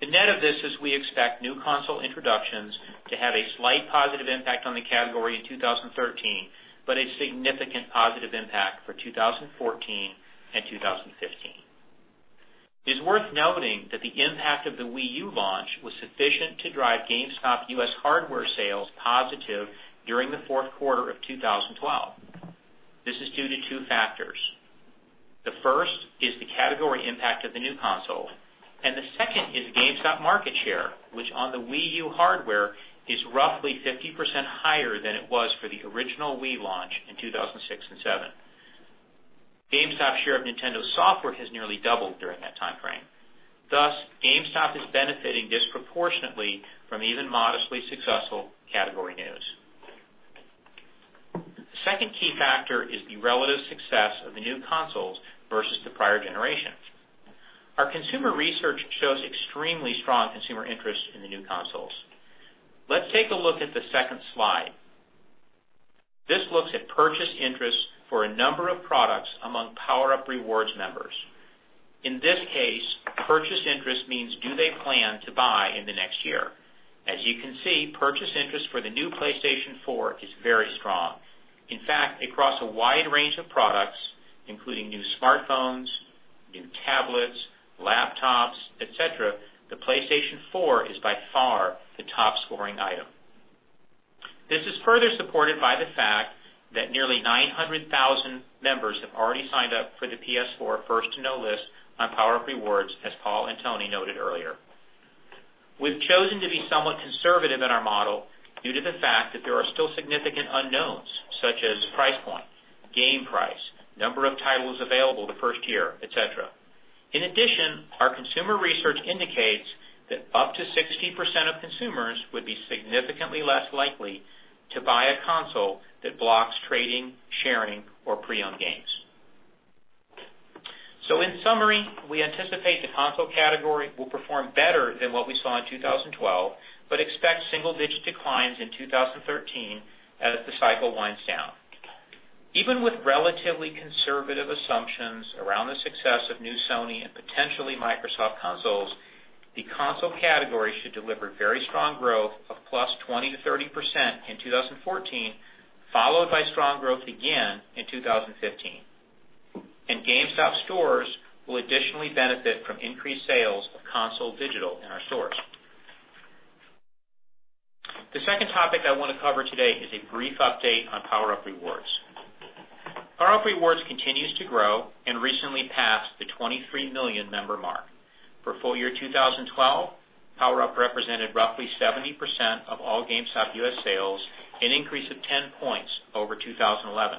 The net of this is we expect new console introductions to have a slight positive impact on the category in 2013, but a significant positive impact for 2014 and 2015. It's worth noting that the impact of the Wii U launch was sufficient to drive GameStop U.S. hardware sales positive during the fourth quarter of 2012. This is due to two factors. The first is the category impact of the new console. The second is GameStop market share, which on the Wii U hardware is roughly 50% higher than it was for the original Wii launch in 2006 and 2007. GameStop's share of Nintendo software has nearly doubled during that timeframe. Thus, GameStop is benefiting disproportionately from even modestly successful category news. The second key factor is the relative success of the new consoles versus the prior generation. Our consumer research shows extremely strong consumer interest in the new consoles. Let's take a look at the second slide. This looks at purchase interest for a number of products among PowerUp Rewards members. In this case, purchase interest means do they plan to buy in the next year. As you can see, purchase interest for the new PlayStation 4 is very strong. In fact, across a wide range of products, including new smartphones, new tablets, laptops, et cetera, the PlayStation 4 is by far the top-scoring item. This is further supported by the fact that nearly 900,000 members have already signed up for the PS4 First to Know list on PowerUp Rewards, as Paul and Tony noted earlier. We've chosen to be somewhat conservative in our model due to the fact that there are still significant unknowns, such as price point, game price, number of titles available the first year, et cetera. In addition, our consumer research indicates that up to 60% of consumers would be significantly less likely to buy a console that blocks trading, sharing, or pre-owned games. In summary, we anticipate the console category will perform better than what we saw in 2012, but expect single-digit declines in 2013 as the cycle winds down. Even with relatively conservative assumptions around the success of new Sony and potentially Microsoft consoles, the console category should deliver very strong growth of +20%-30% in 2014, followed by strong growth again in 2015. GameStop stores will additionally benefit from increased sales of console digital in our stores. The second topic I want to cover today is a brief update on PowerUp Rewards. PowerUp Rewards continues to grow and recently passed the 23 million member mark. For full year 2012, PowerUp represented roughly 70% of all GameStop U.S. sales, an increase of 10 points over 2011.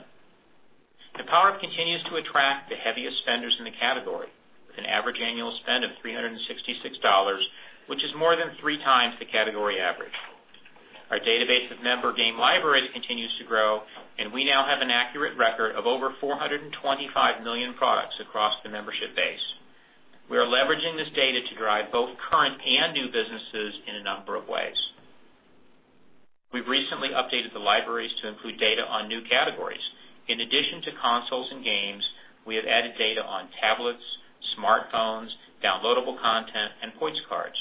PowerUp continues to attract the heaviest spenders in the category, with an average annual spend of $366, which is more than three times the category average. Our database of member game libraries continues to grow, and we now have an accurate record of over 425 million products across the membership base. We are leveraging this data to drive both current and new businesses in a number of ways. We've recently updated the libraries to include data on new categories. In addition to consoles and games, we have added data on tablets, smartphones, downloadable content, and points cards.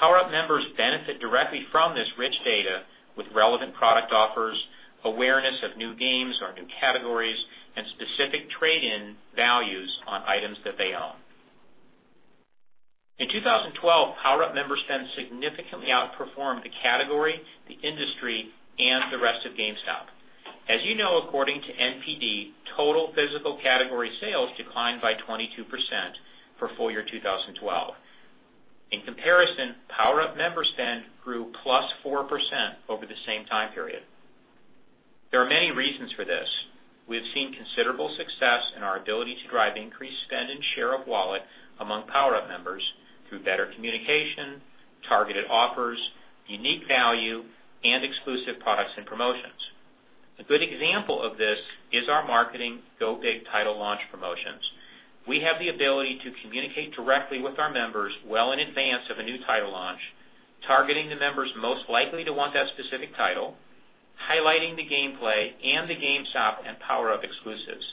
PowerUp members benefit directly from this rich data with relevant product offers, awareness of new games or new categories, and specific trade-in values on items that they own. In 2012, PowerUp member spend significantly outperformed the category, the industry, and the rest of GameStop. As you know, according to NPD, total physical category sales declined by 22% for full year 2012. In comparison, PowerUp member spend grew +4% over the same time period. There are many reasons for this. We have seen considerable success in our ability to drive increased spend and share of wallet among PowerUp members through better communication, targeted offers, unique value, and exclusive products and promotions. A good example of this is our marketing Go Big title launch promotions. We have the ability to communicate directly with our members well in advance of a new title launch, targeting the members most likely to want that specific title, highlighting the gameplay and the GameStop and PowerUp exclusives.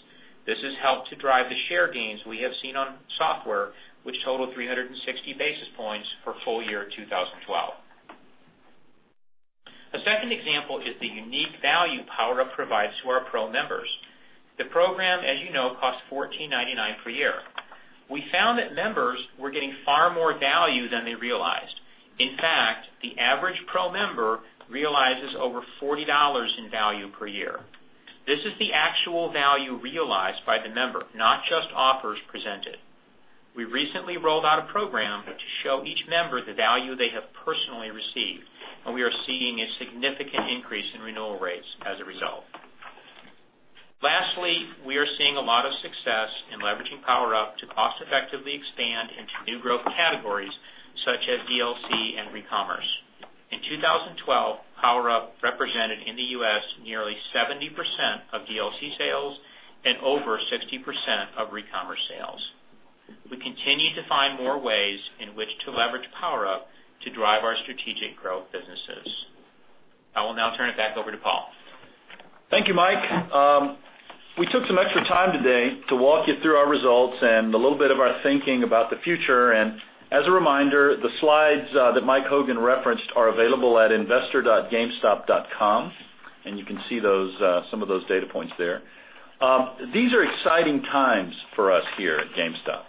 This has helped to drive the share gains we have seen on software, which totaled 360 basis points for full year 2012. A second example is the unique value PowerUp provides to our Pro members. The program, as you know, costs $14.99 per year. We found that members were getting far more value than they realized. In fact, the average Pro member realizes over $40 in value per year. This is the actual value realized by the member, not just offers presented. We recently rolled out a program to show each member the value they have personally received, and we are seeing a significant increase in renewal rates as a result. We are seeing a lot of success in leveraging PowerUp to cost-effectively expand into new growth categories such as DLC and recommerce. In 2012, PowerUp represented, in the U.S., nearly 70% of DLC sales and over 60% of recommerce sales. We continue to find more ways in which to leverage PowerUp to drive our strategic growth businesses. I will now turn it back over to Paul. Thank you, Mike. We took some extra time today to walk you through our results and a little bit of our thinking about the future. As a reminder, the slides that Michael Hogan referenced are available at investor.gamestop.com, and you can see some of those data points there. These are exciting times for us here at GameStop.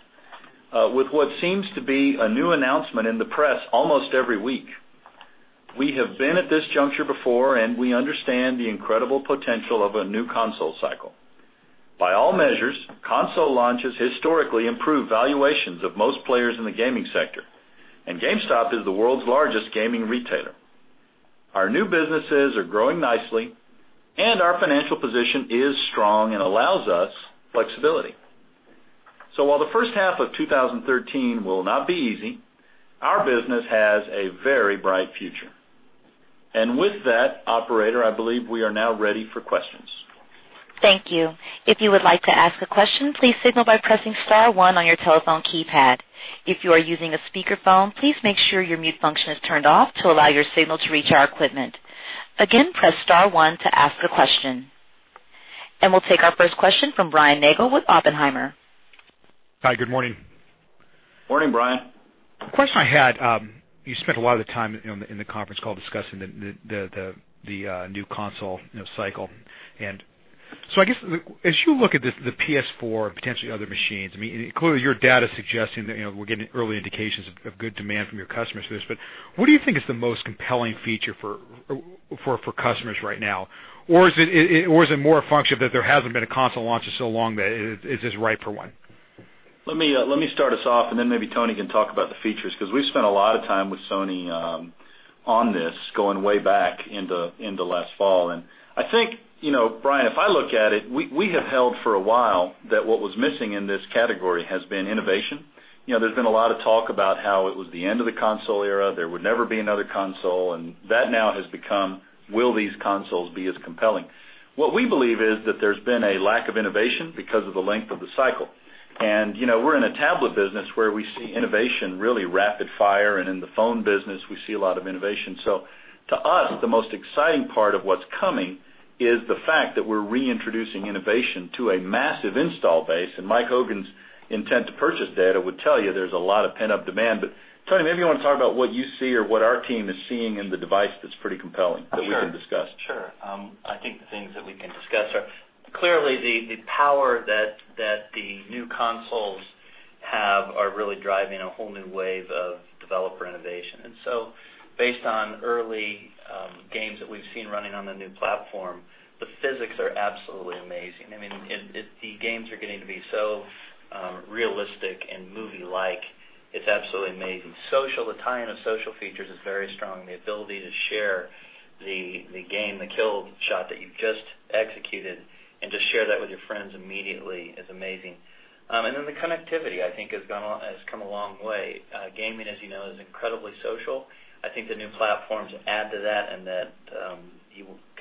With what seems to be a new announcement in the press almost every week, we have been at this juncture before, and we understand the incredible potential of a new console cycle. By all measures, console launches historically improve valuations of most players in the gaming sector, GameStop is the world's largest gaming retailer. Our new businesses are growing nicely, and our financial position is strong and allows us flexibility. While the first half of 2013 will not be easy, our business has a very bright future. With that, operator, I believe we are now ready for questions. Thank you. If you would like to ask a question, please signal by pressing star one on your telephone keypad. If you are using a speakerphone, please make sure your mute function is turned off to allow your signal to reach our equipment. Again, press star one to ask a question. We'll take our first question from Brian Nagel with Oppenheimer. Hi, good morning. Morning, Brian. The question I had, you spent a lot of the time in the conference call discussing the new console cycle. I guess, as you look at the PS4 and potentially other machines, clearly, your data suggesting that we're getting early indications of good demand from your customers for this, but what do you think is the most compelling feature for customers right now? Is it more a function that there hasn't been a console launch in so long that it's just ripe for one? Let me start us off, then maybe Tony can talk about the features, because we've spent a lot of time with Sony on this, going way back into last fall. I think, Brian, if I look at it, we have held for a while that what was missing in this category has been innovation. There's been a lot of talk about how it was the end of the console era, there would never be another console, that now has become, will these consoles be as compelling? What we believe is that there's been a lack of innovation because of the length of the cycle. We're in a tablet business where we see innovation really rapid-fire, in the phone business, we see a lot of innovation. To us, the most exciting part of what's coming is the fact that we're reintroducing innovation to a massive install base, Michael Hogan's intent to purchase data would tell you there's a lot of pent-up demand. Tony, maybe you want to talk about what you see or what our team is seeing in the device that's pretty compelling that we can discuss. Sure. I think the things that we can discuss are clearly the power that the new consoles have are really driving a whole new wave of developer innovation. Based on early games that we've seen running on the new platform, the physics are absolutely amazing. The games are getting to be so realistic and movie-like. It's absolutely amazing. Social, the tie-in of social features is very strong. The ability to share the game, the kill shot that you've just executed, to share that with your friends immediately is amazing. The connectivity, I think, has come a long way. Gaming, as you know, is incredibly social. I think the new platforms add to that and that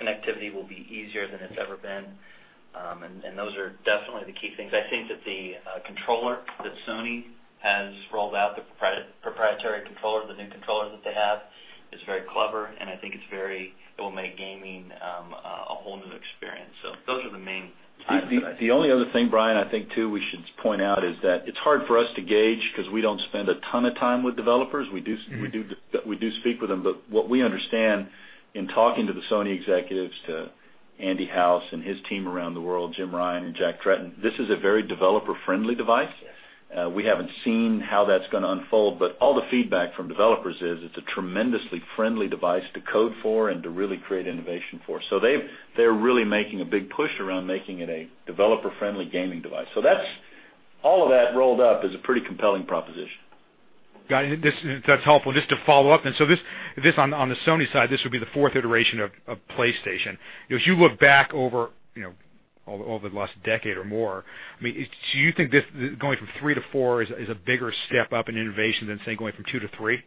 connectivity will be easier than it's ever been. Those are definitely the key things. I think that the controller that Sony has rolled out, the proprietary controller, the new controller that they have, is very clever, I think it will make gaming a whole new experience. Those are the main things that I see. The only other thing, Brian, I think too, we should point out, is that it's hard for us to gauge because we don't spend a ton of time with developers. We do speak with them. What we understand in talking to the Sony executives, to Andy House and his team around the world, Jim Ryan and Jack Tretton, this is a very developer-friendly device. Yes. We haven't seen how that's going to unfold, all the feedback from developers is it's a tremendously friendly device to code for and to really create innovation for. They're really making a big push around making it a developer-friendly gaming device. All of that rolled up is a pretty compelling proposition. Got it. That's helpful. Just to follow up, on the Sony side, this would be the fourth iteration of PlayStation. As you look back over the last decade or more, do you think going from three to four is a bigger step up in innovation than, say, going from two to three?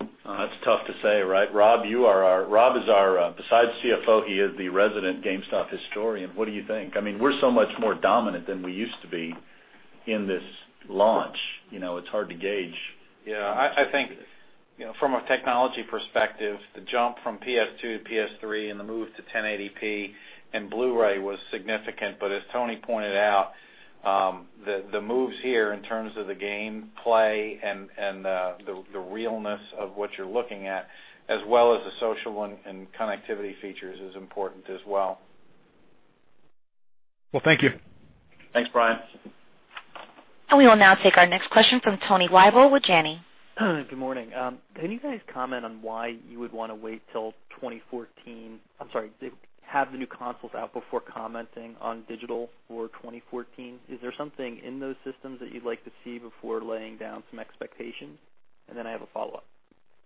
That's tough to say, right? Rob, besides CFO, he is the resident GameStop historian. What do you think? We're so much more dominant than we used to be in this launch. It's hard to gauge. Yeah. I think from a technology perspective, the jump from PS2 to PS3 and the move to 1080p and Blu-ray was significant. As Tony pointed out, the moves here in terms of the gameplay and the realness of what you're looking at, as well as the social and connectivity features, is important as well. Well, thank you. Thanks, Brian. We will now take our next question from Tony Wible with Janney. Good morning. Can you guys comment on why you would want to wait till 2014, I'm sorry, to have the new consoles out before commenting on digital for 2014? Is there something in those systems that you'd like to see before laying down some expectations? I have a follow-up.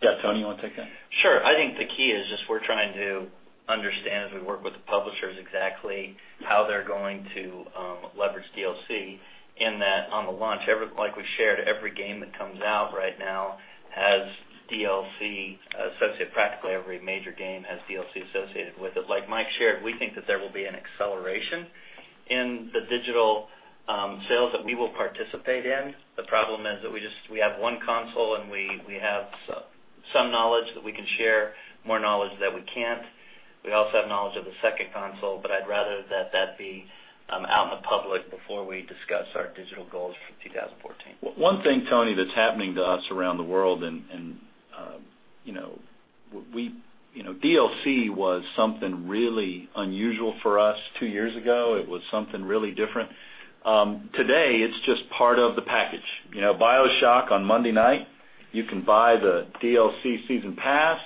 Yeah. Tony, you want to take that? Sure. I think the key is just we're trying to understand, as we work with the publishers, exactly how they're going to leverage DLC in that, on the launch, like we shared, every game that comes out right now has DLC associated. Practically every major game has DLC associated with it. Like Mike shared, we think that there will be an acceleration in the digital sales that we will participate in. The problem is that we have one console, we have some knowledge that we can share, more knowledge that we can't. We also have knowledge of the second console, I'd rather that that be out in the public before we discuss our digital goals for 2014. One thing, Tony, that's happening to us around the world, DLC was something really unusual for us two years ago. It was something really different. Today, it's just part of the package. BioShock on Monday night, you can buy the DLC season pass,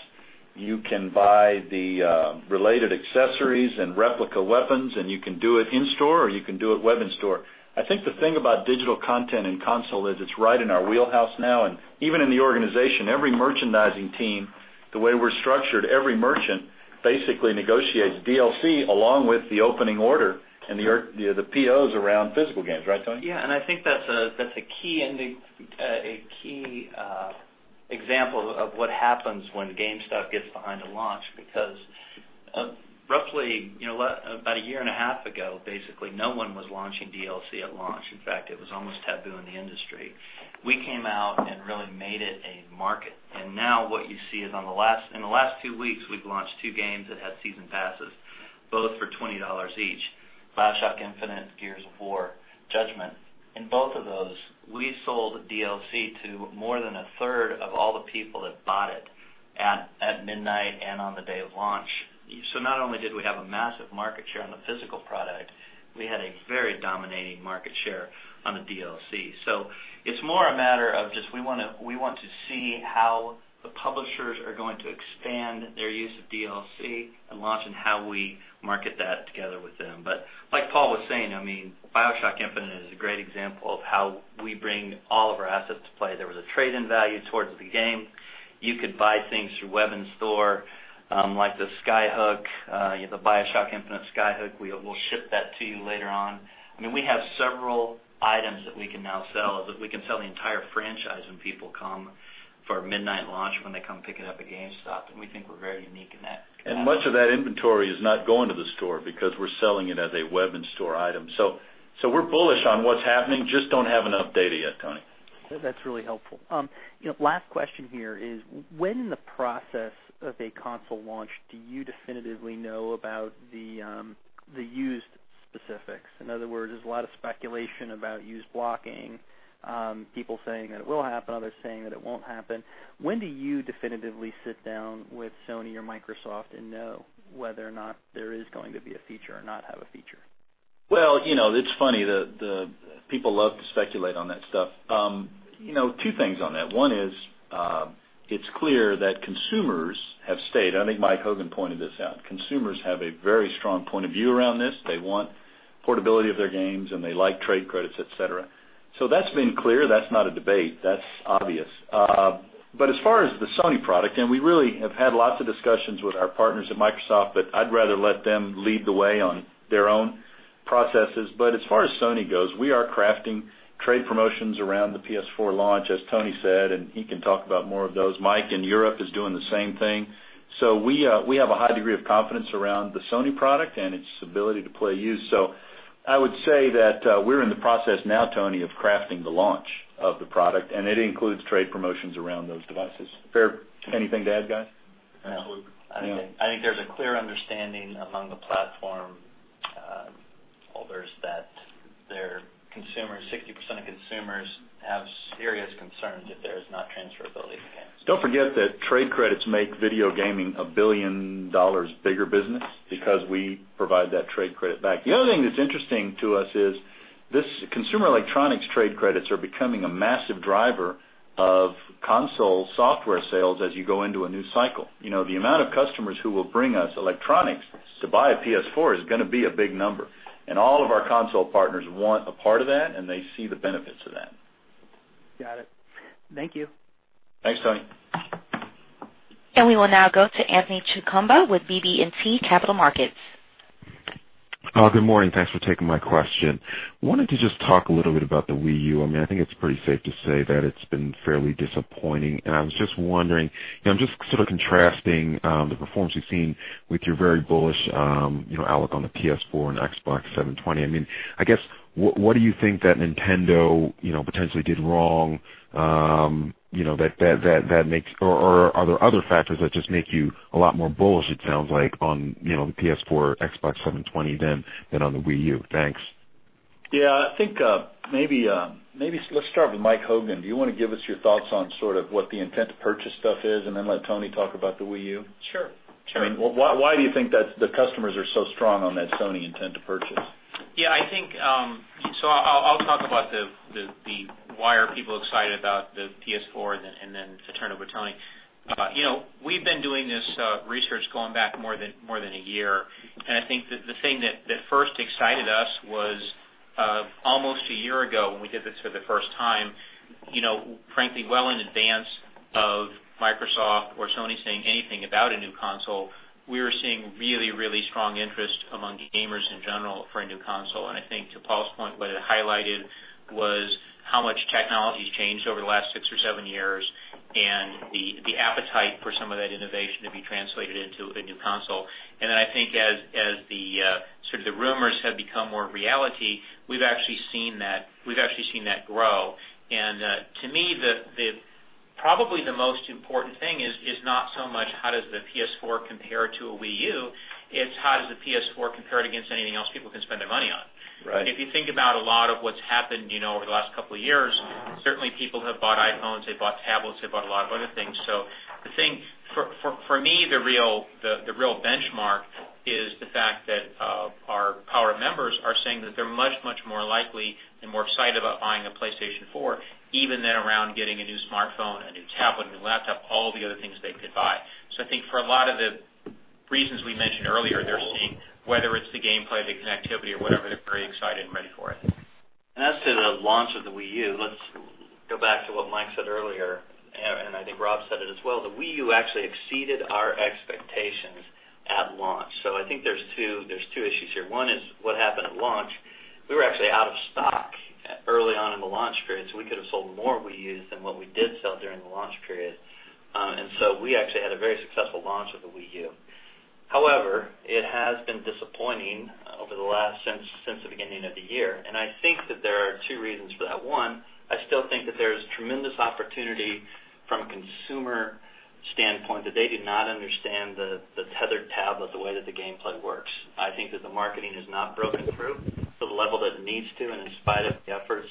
you can buy the related accessories and replica weapons, and you can do it in-store, or you can do it web-in-store. I think the thing about digital content in console is it's right in our wheelhouse now, even in the organization, every merchandising team, the way we're structured, every merchant basically negotiates DLC along with the opening order and the POs around physical games. Right, Tony? Yeah, I think that's a key example of what happens when GameStop gets behind a launch because roughly about a year and a half ago, basically, no one was launching DLC at launch. In fact, it was almost taboo in the industry. We came out and really made it a market. Now what you see is, in the last two weeks, we've launched two games that had season passes, both for $20 each, BioShock Infinite, Gears of War: Judgment. In both of those, we sold DLC to more than a third of all the people that bought it at midnight and on the day of launch. Not only did we have a massive market share on the physical product, we had a very dominating market share on the DLC. It's more a matter of just, we want to see how the publishers are going to expand their use of DLC at launch and how we market that together with them. Like Paul was saying, BioShock Infinite is a great example of how we bring all of our assets to play. There was a trade-in value towards the game. You could buy things through web-in-store, like the Sky-Hook, the BioShock Infinite Sky-Hook. We'll ship that to you later on. We have several items that we can now sell, that we can sell the entire franchise when people come for a midnight launch, when they come pick it up at GameStop. We think we're very unique in that capacity. Much of that inventory is not going to the store because we're selling it as a web-in-store item. We're bullish on what's happening, just don't have enough data yet, Tony. That's really helpful. Last question here is, when in the process of a console launch do you definitively know about the used specifics? In other words, there's a lot of speculation about used blocking, people saying that it will happen, others saying that it won't happen. When do you definitively sit down with Sony or Microsoft and know whether or not there is going to be a feature or not have a feature? Well, it's funny. The people love to speculate on that stuff. Two things on that. One is, it's clear that consumers have stayed. I think Mike Hogan pointed this out. Consumers have a very strong point of view around this. They want portability of their games, and they like trade credits, et cetera. That's been clear. That's not a debate. That's obvious. As far as the Sony product, and we really have had lots of discussions with our partners at Microsoft, I'd rather let them lead the way on their own processes. As far as Sony goes, we are crafting trade promotions around the PS4 launch, as Tony said, and he can talk about more of those. Mike in Europe is doing the same thing. We have a high degree of confidence around the Sony product and its ability to play used. I would say that we're in the process now, Tony, of crafting the launch of the product, and it includes trade promotions around those devices. Anything to add, guys? Absolutely. No. I think there's a clear understanding among the platform holders that their consumers, 60% of consumers have serious concerns if there is not transferability of the games. Don't forget that trade credits make video gaming a $1 billion bigger business because we provide that trade credit back. The other thing that's interesting to us is, consumer electronics trade credits are becoming a massive driver of console software sales as you go into a new cycle. The amount of customers who will bring us electronics to buy a PS4 is going to be a big number. All of our console partners want a part of that, and they see the benefits of that. Got it. Thank you. Thanks, Tony. We will now go to Anthony Chukumba with BB&T Capital Markets. Good morning. Thanks for taking my question. Wanted to just talk a little bit about the Wii U. I think it's pretty safe to say that it's been fairly disappointing, and I was just wondering, I'm just sort of contrasting the performance you've seen with your very bullish outlook on the PS4 and Xbox 720. I guess, what do you think that Nintendo potentially did wrong that makes, or are there other factors that just make you a lot more bullish, it sounds like, on the PS4, Xbox 720 than on the Wii U? Thanks. I think maybe let's start with Michael Hogan. Do you want to give us your thoughts on sort of what the intent to purchase stuff is and then let Tony talk about the Wii U? Sure. Why do you think that the customers are so strong on that Sony intent to purchase? I'll talk about the why are people excited about the PS4 and then turn it over to Tony. We've been doing this research going back more than a year, and I think that the thing that first excited us was almost a year ago, when we did this for the first time, frankly, well in advance of Microsoft or Sony saying anything about a new console, we were seeing really, really strong interest among gamers in general for a new console. I think to Paul's point, what it highlighted was how much technology's changed over the last six or seven years and the appetite for some of that innovation to be translated into a new console. I think as the sort of the rumors have become more reality, we've actually seen that grow. To me, probably the most important thing is not so much how does the PS4 compare to a Wii U, it's how does the PS4 compare it against anything else people can spend their money on. Right. If you think about a lot of what's happened over the last couple of years, certainly people have bought iPhones, they've bought tablets, they've bought a lot of other things. The thing, for me, the real benchmark is the fact that our PowerUp members are saying that they're much, much more likely and more excited about buying a PlayStation 4 even than around getting a new smartphone, a new tablet, a new laptop, all the other things they could buy. I think for a lot of the reasons we mentioned earlier, they're seeing whether it's the gameplay, the connectivity, or whatever, they're very excited and ready for it. As to the launch of the Wii U, let's go back to what Mike said earlier, and I think Rob said it as well. The Wii U actually exceeded our expectations at launch. I think there's two issues here. One is what happened at launch. We were actually out of stock early on in the launch period, so we could have sold more Wii Us than what we did sell during the launch period. We actually had a very successful launch of the Wii U. However, it has been disappointing since the beginning of the year. I think that there are two reasons for that. One, I still think that there's tremendous opportunity from a consumer standpoint that they do not understand the tethered tablet, the way that the gameplay works. I think that the marketing has not broken through to the level that it needs to, and in spite of the efforts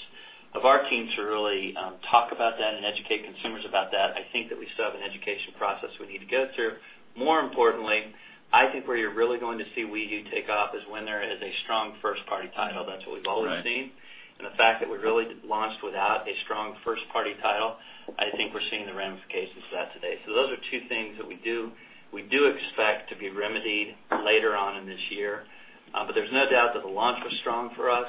of our team to really talk about that and educate consumers about that. I think that we still have an education process we need to go through. More importantly, I think where you're really going to see Wii U take off is when there is a strong first-party title. That's what we've always seen. Right. The fact that we really launched without a strong first-party title, I think we're seeing the ramifications of that today. Those are two things that we do expect to be remedied later on in this year. There's no doubt that the launch was strong for us,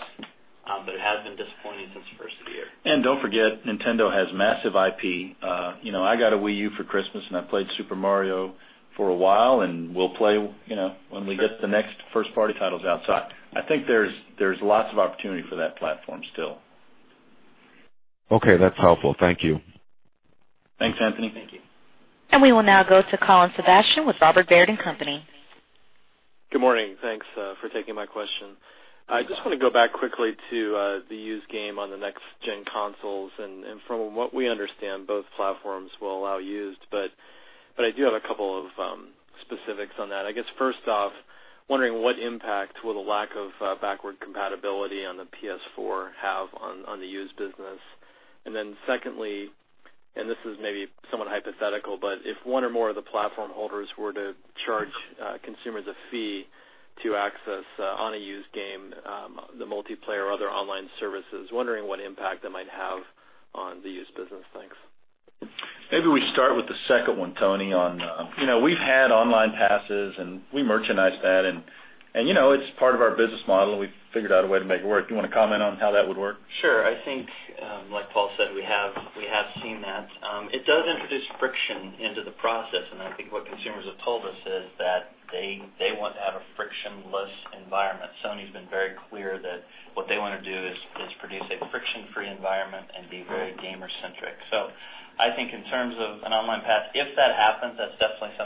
but it has been disappointing since the first of the year. Don't forget, Nintendo has massive IP. I got a Wii U for Christmas, and I played Super Mario for a while, and will play when we get the next first-party titles outside. I think there's lots of opportunity for that platform still. Okay, that's helpful. Thank you. Thanks, Anthony. Thank you. We will now go to Colin Sebastian with Robert W. Baird & Co. Good morning. Thanks for taking my question. I just want to go back quickly to the used game on the next-gen consoles. From what we understand, both platforms will allow used. I do have a couple of specifics on that. I guess first off, wondering what impact will the lack of backward compatibility on the PS4 have on the used business. Secondly, this is maybe somewhat hypothetical. If one or more of the platform holders were to charge consumers a fee to access on a used game, the multiplayer or other online services, wondering what impact that might have on the used business. Thanks. Maybe we start with the second one, Tony Bartel. We've had online passes. We merchandise that. It's part of our business model. We've figured out a way to make it work. Do you want to comment on how that would work? Sure. I think, like Paul Raines said, we have seen that. It does introduce friction into the process. I think what consumers have told us is that they want to have a frictionless environment. Sony's been very clear that what they want to do is produce a friction-free environment and be very gamer-centric. I think in terms of an online pass, if that happens, that's definitely something that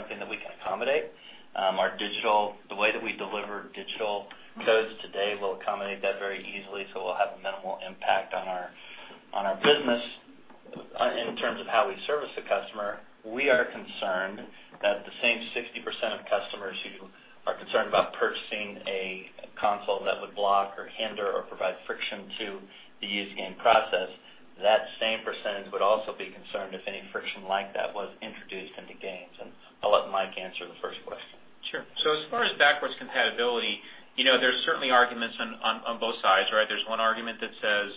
we can accommodate. The way that we deliver digital codes today will accommodate that very easily. We'll have a minimal impact on our business in terms of how we service the customer. We are concerned that the same 60% of customers who are concerned about purchasing a console that would block or hinder or provide friction to the used game process, that same percentage would also be concerned if any friction like that was introduced into games. I'll let Mike answer the first question. Sure. As far as backwards compatibility, there's certainly arguments on both sides, right? There's one argument that says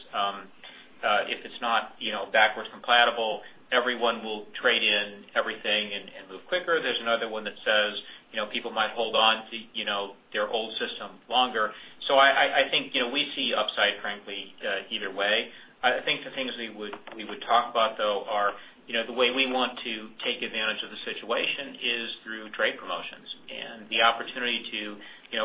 if it's not backwards compatible, everyone will trade in everything and move quicker. There's another one that says people might hold on to their old system longer. I think we see upside, frankly, either way. I think the things we would talk about, though, are the way we want to take advantage of the situation is through trade promotions and the opportunity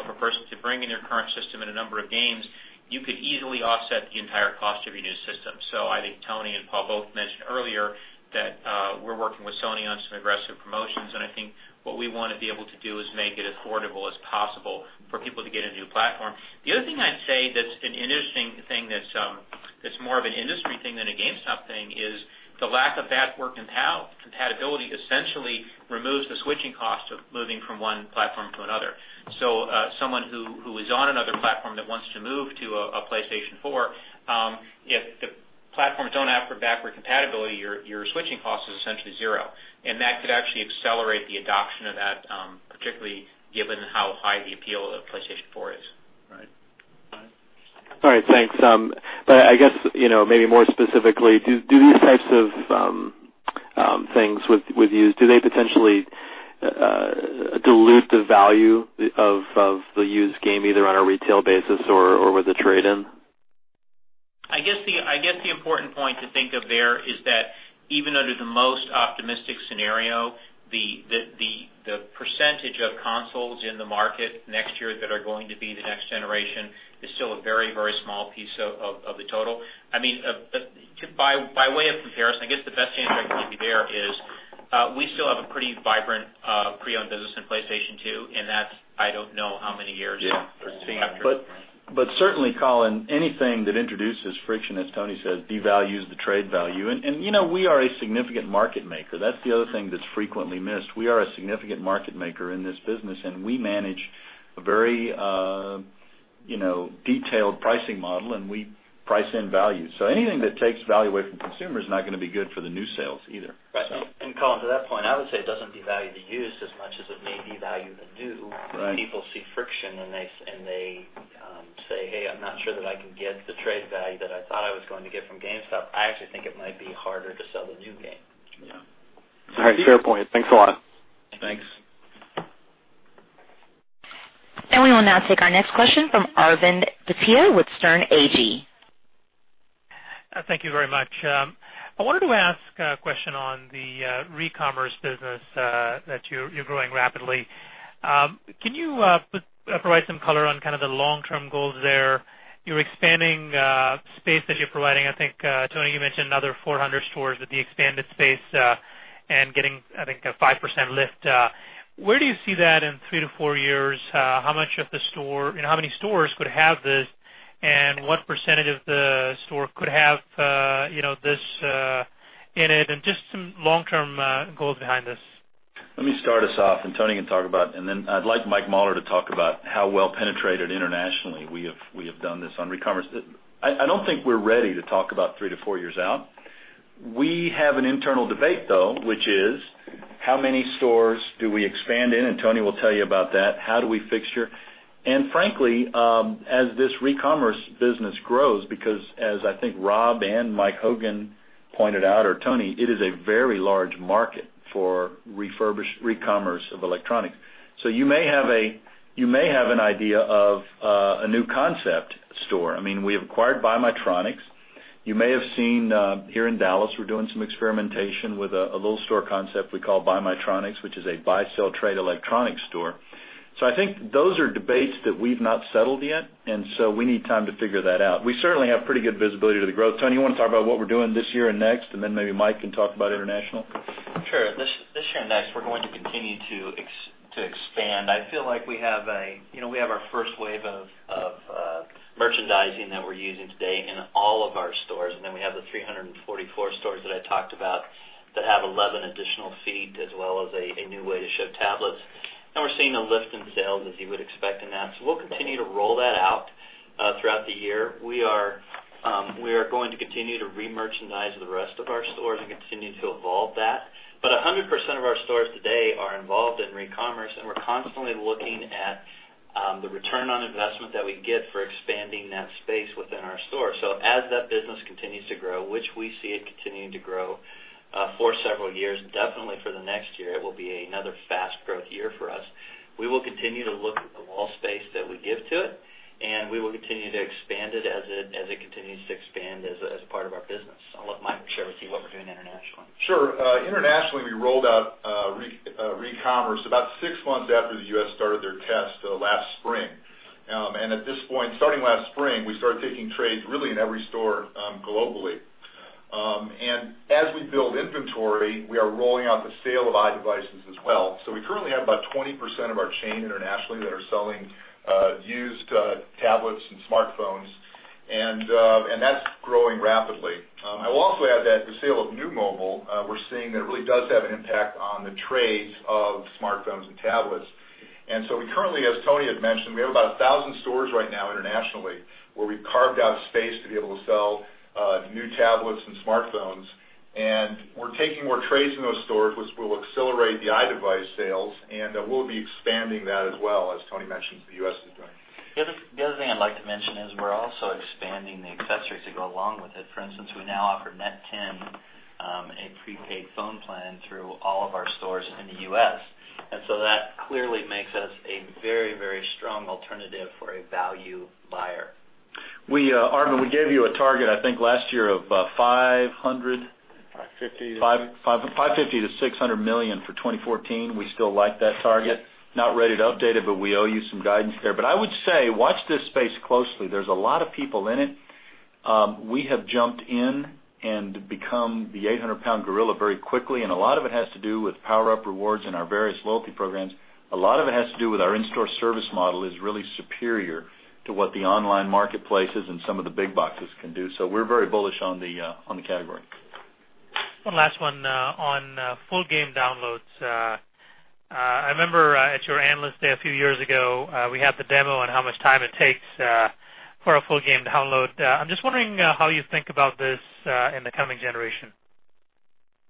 for a person to bring in their current system and a number of games, you could easily offset the entire cost of your new system. I think Tony and Paul both mentioned earlier that we're working with Sony on some aggressive promotions, and I think what we want to be able to do is make it affordable as possible for people to get a new platform. The other thing I'd say that's an interesting thing It's more of an industry thing than a GameStop thing, is the lack of backward compatibility essentially removes the switching cost of moving from one platform to another. Someone who is on another platform that wants to move to a PlayStation 4, if the platforms don't have backward compatibility, your switching cost is essentially zero. That could actually accelerate the adoption of that, particularly given how high the appeal of PlayStation 4 is. Right. All right, thanks. I guess, maybe more specifically, do these types of things with used, do they potentially dilute the value of the used game, either on a retail basis or with a trade-in? I guess the important point to think of there is that even under the most optimistic scenario, the percentage of consoles in the market next year that are going to be the next generation is still a very small piece of the total. By way of comparison, I guess the best answer I can give you there is, we still have a pretty vibrant pre-owned business in PlayStation 2, and that's I don't know how many years. Yeah. Certainly, Colin, anything that introduces friction, as Tony says, devalues the trade value. We are a significant market maker. That's the other thing that's frequently missed. We are a significant market maker in this business, and we manage a very detailed pricing model, and we price in value. Anything that takes value away from consumer is not going to be good for the new sales either. Right. Colin, to that point, I would say it doesn't devalue the used as much as it may devalue the new. Right. People see friction and they say, "Hey, I'm not sure that I can get the trade value that I thought I was going to get from GameStop. I actually think it might be harder to sell the new game. Yeah. All right. Fair point. Thanks a lot. Thanks. We will now take our next question from Arvind Bhatia with Sterne Agee. Thank you very much. I wanted to ask a question on the recommerce business that you're growing rapidly. Can you provide some color on kind of the long-term goals there? You're expanding space that you're providing, I think, Tony, you mentioned another 400 stores with the expanded space, and getting, I think, a 5% lift. Where do you see that in 3 to 4 years? How many stores could have this, and what percentage of the store could have this in it? Just some long-term goals behind this. Let me start us off, and Tony can talk about, and then I'd like Mike Mauler to talk about how well penetrated internationally we have done this on recommerce. I don't think we're ready to talk about 3 to 4 years out. We have an internal debate, though, which is how many stores do we expand in, and Tony will tell you about that. How do we fixture? Frankly, as this recommerce business grows, because as I think Rob and Mike Hogan pointed out, or Tony, it is a very large market for refurbished recommerce of electronics. You may have an idea of a new concept store. We acquired BuyMyTronics. You may have seen, here in Dallas, we're doing some experimentation with a little store concept we call BuyMyTronics, which is a buy, sell, trade electronic store. I think those are debates that we've not settled yet, we need time to figure that out. We certainly have pretty good visibility to the growth. Tony, you want to talk about what we're doing this year and next, then maybe Mike can talk about international? Sure. This year and next, we're going to continue to expand. I feel like we have our first wave of merchandising that we're using today in all of our stores, we have the 344 stores that I talked about that have 11 additional feet, as well as a new way to show tablets. We're seeing a lift in sales, as you would expect in that. We'll continue to roll that out throughout the year. We are going to continue to remerchandise the rest of our stores and continue to evolve that. 100% of our stores today are involved in recommerce, we're constantly looking at the return on investment that we get for expanding that space within our store. As that business continues to grow, which we see it continuing to grow for several years, definitely for the next year, it will be another fast growth year for us. We will continue to look at the wall space that we give to it, we will continue to expand it as it continues to expand as a part of our business. I'll let Mike share with you what we're doing internationally. Sure. Internationally, we rolled out recommerce about six months after the U.S. started their test last spring. At this point, starting last spring, we started taking trades really in every store globally. As we build inventory, we are rolling out the sale of iDevices as well. We currently have about 20% of our chain internationally that are selling used tablets and smartphones, that's growing rapidly. I will also add that the sale of new mobile, we're seeing that it really does have an impact on the trades of smartphones and tablets. We currently, as Tony Bartel had mentioned, we have about 1,000 stores right now internationally where we carved out space to be able to sell new tablets and smartphones, and we're taking more trades in those stores, which will accelerate the iDevice sales, and we'll be expanding that as well as Tony Bartel mentions the U.S. is doing. The other thing I'd like to mention is we're also expanding the accessories that go along with it. For instance, we now offer NET10, a prepaid phone plan through all of our stores in the U.S. That clearly makes us a very strong alternative for a value buyer. Arvind, we gave you a target, I think, last year of 500- 550 to 6- $550 million-$600 million for 2014. We still like that target. Yes. Not ready to update it, we owe you some guidance there. I would say, watch this space closely. There's a lot of people in it. We have jumped in and become the 800-pound gorilla very quickly, and a lot of it has to do with PowerUp Rewards and our various loyalty programs. A lot of it has to do with our in-store service model is really superior to what the online marketplaces and some of the big boxes can do. We're very bullish on the category. One last one on full game downloads. I remember at your Analyst Day a few years ago, we had the demo on how much time it takes for a full game download. I'm just wondering how you think about this in the coming generation.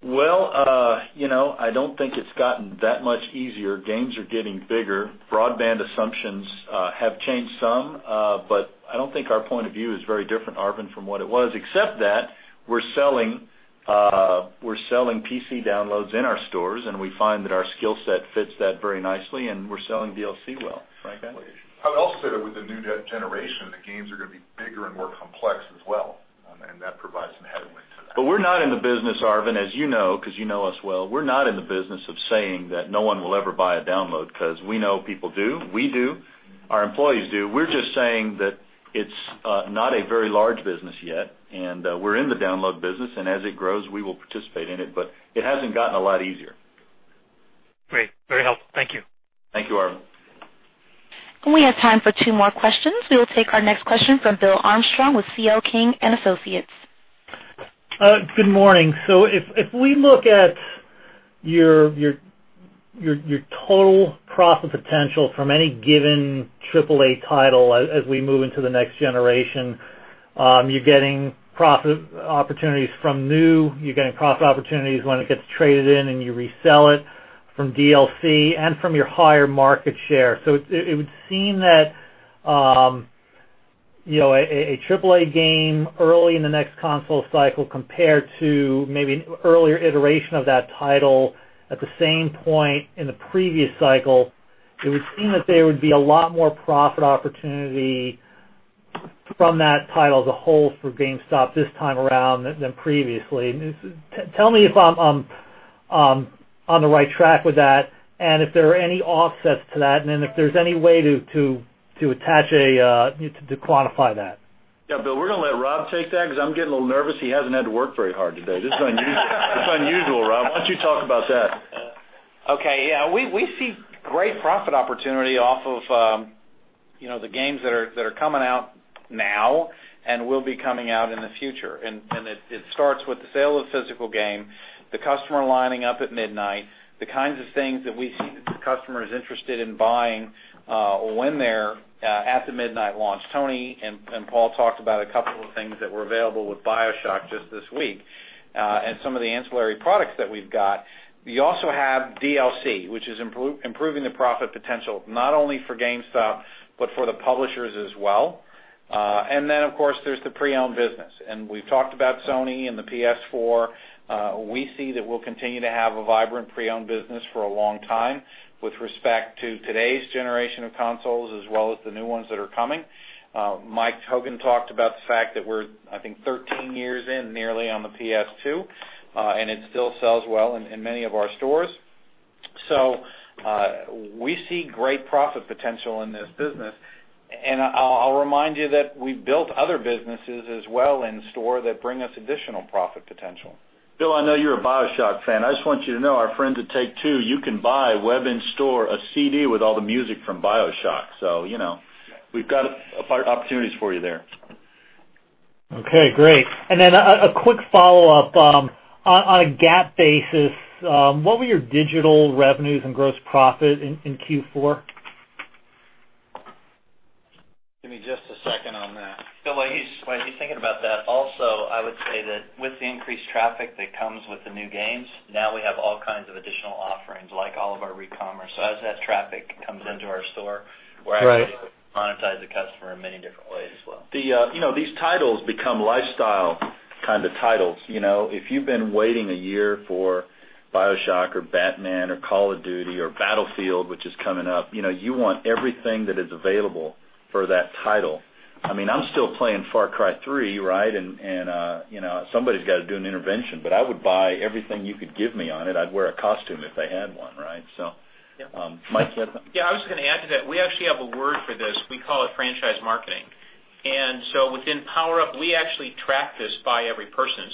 Well, I don't think it's gotten that much easier. Games are getting bigger. Broadband assumptions have changed some, but I don't think our point of view is very different, Arvind, from what it was, except that we're selling PC downloads in our stores, and we find that our skill set fits that very nicely, and we're selling DLC well. *inaudible* I would also say that with the new generation, the games are going to be bigger and more complex as well, that provides some headwinds to that. We're not in the business, Arvind, as you know, because you know us well. We're not in the business of saying that no one will ever buy a download, because we know people do. We do. Our employees do. We're just saying that it's not a very large business yet, and we're in the download business, and as it grows, we will participate in it. It hasn't gotten a lot easier. Great. Very helpful. Thank you. Thank you, Arvind. We have time for two more questions. We will take our next question from William Armstrong with C.L. King & Associates. Good morning. If we look at your total profit potential from any given AAA title as we move into the next generation, you're getting profit opportunities from new, you're getting profit opportunities when it gets traded in and you resell it from DLC, and from your higher market share. It would seem that a AAA game early in the next console cycle compared to maybe an earlier iteration of that title at the same point in the previous cycle, it would seem that there would be a lot more profit opportunity from that title as a whole for GameStop this time around than previously. Tell me if I'm on the right track with that and if there are any offsets to that, and then if there's any way to quantify that. Yeah, Bill, we're going to let Rob take that because I'm getting a little nervous he hasn't had to work very hard today. This is unusual, Rob. Why don't you talk about that? Okay. Yeah. It starts with the sale of physical game, the customer lining up at midnight, the kinds of things that we see that the customer is interested in buying when they're at the midnight launch. Tony and Paul talked about a couple of things that were available with BioShock just this week, and some of the ancillary products that we've got. We also have DLC, which is improving the profit potential, not only for GameStop, but for the publishers as well. Then, of course, there's the pre-owned business. We've talked about Sony and the PS4. We see that we'll continue to have a vibrant pre-owned business for a long time with respect to today's generation of consoles as well as the new ones that are coming. Mike Hogan talked about the fact that we're, I think, 13 years in nearly on the PS2, and it still sells well in many of our stores. We see great profit potential in this business. I'll remind you that we've built other businesses as well in store that bring us additional profit potential. Bill, I know you're a BioShock fan. I just want you to know our friends at Take-Two, you can buy web-in-store a CD with all the music from BioShock. We've got opportunities for you there. Okay, great. Then a quick follow-up. On a GAAP basis, what were your digital revenues and gross profit in Q4? Give me just a second on that. Bill, while he's thinking about that, also, I would say that with the increased traffic that comes with the new games, now we have all kinds of additional offerings, like all of our recommerce. As that traffic comes into our store. Right We're actually able to monetize the customer in many different ways as well. These titles become lifestyle kind of titles. If you've been waiting a year for BioShock or Batman or Call of Duty or Battlefield, which is coming up, you want everything that is available for that title. I'm still playing Far Cry 3, right? Somebody's got to do an intervention, but I would buy everything you could give me on it. I'd wear a costume if they had one, right? Mike, you had something? Yeah, I was just going to add to that. We actually have a word for this. We call it franchise marketing. Within PowerUp, we actually track this by every person.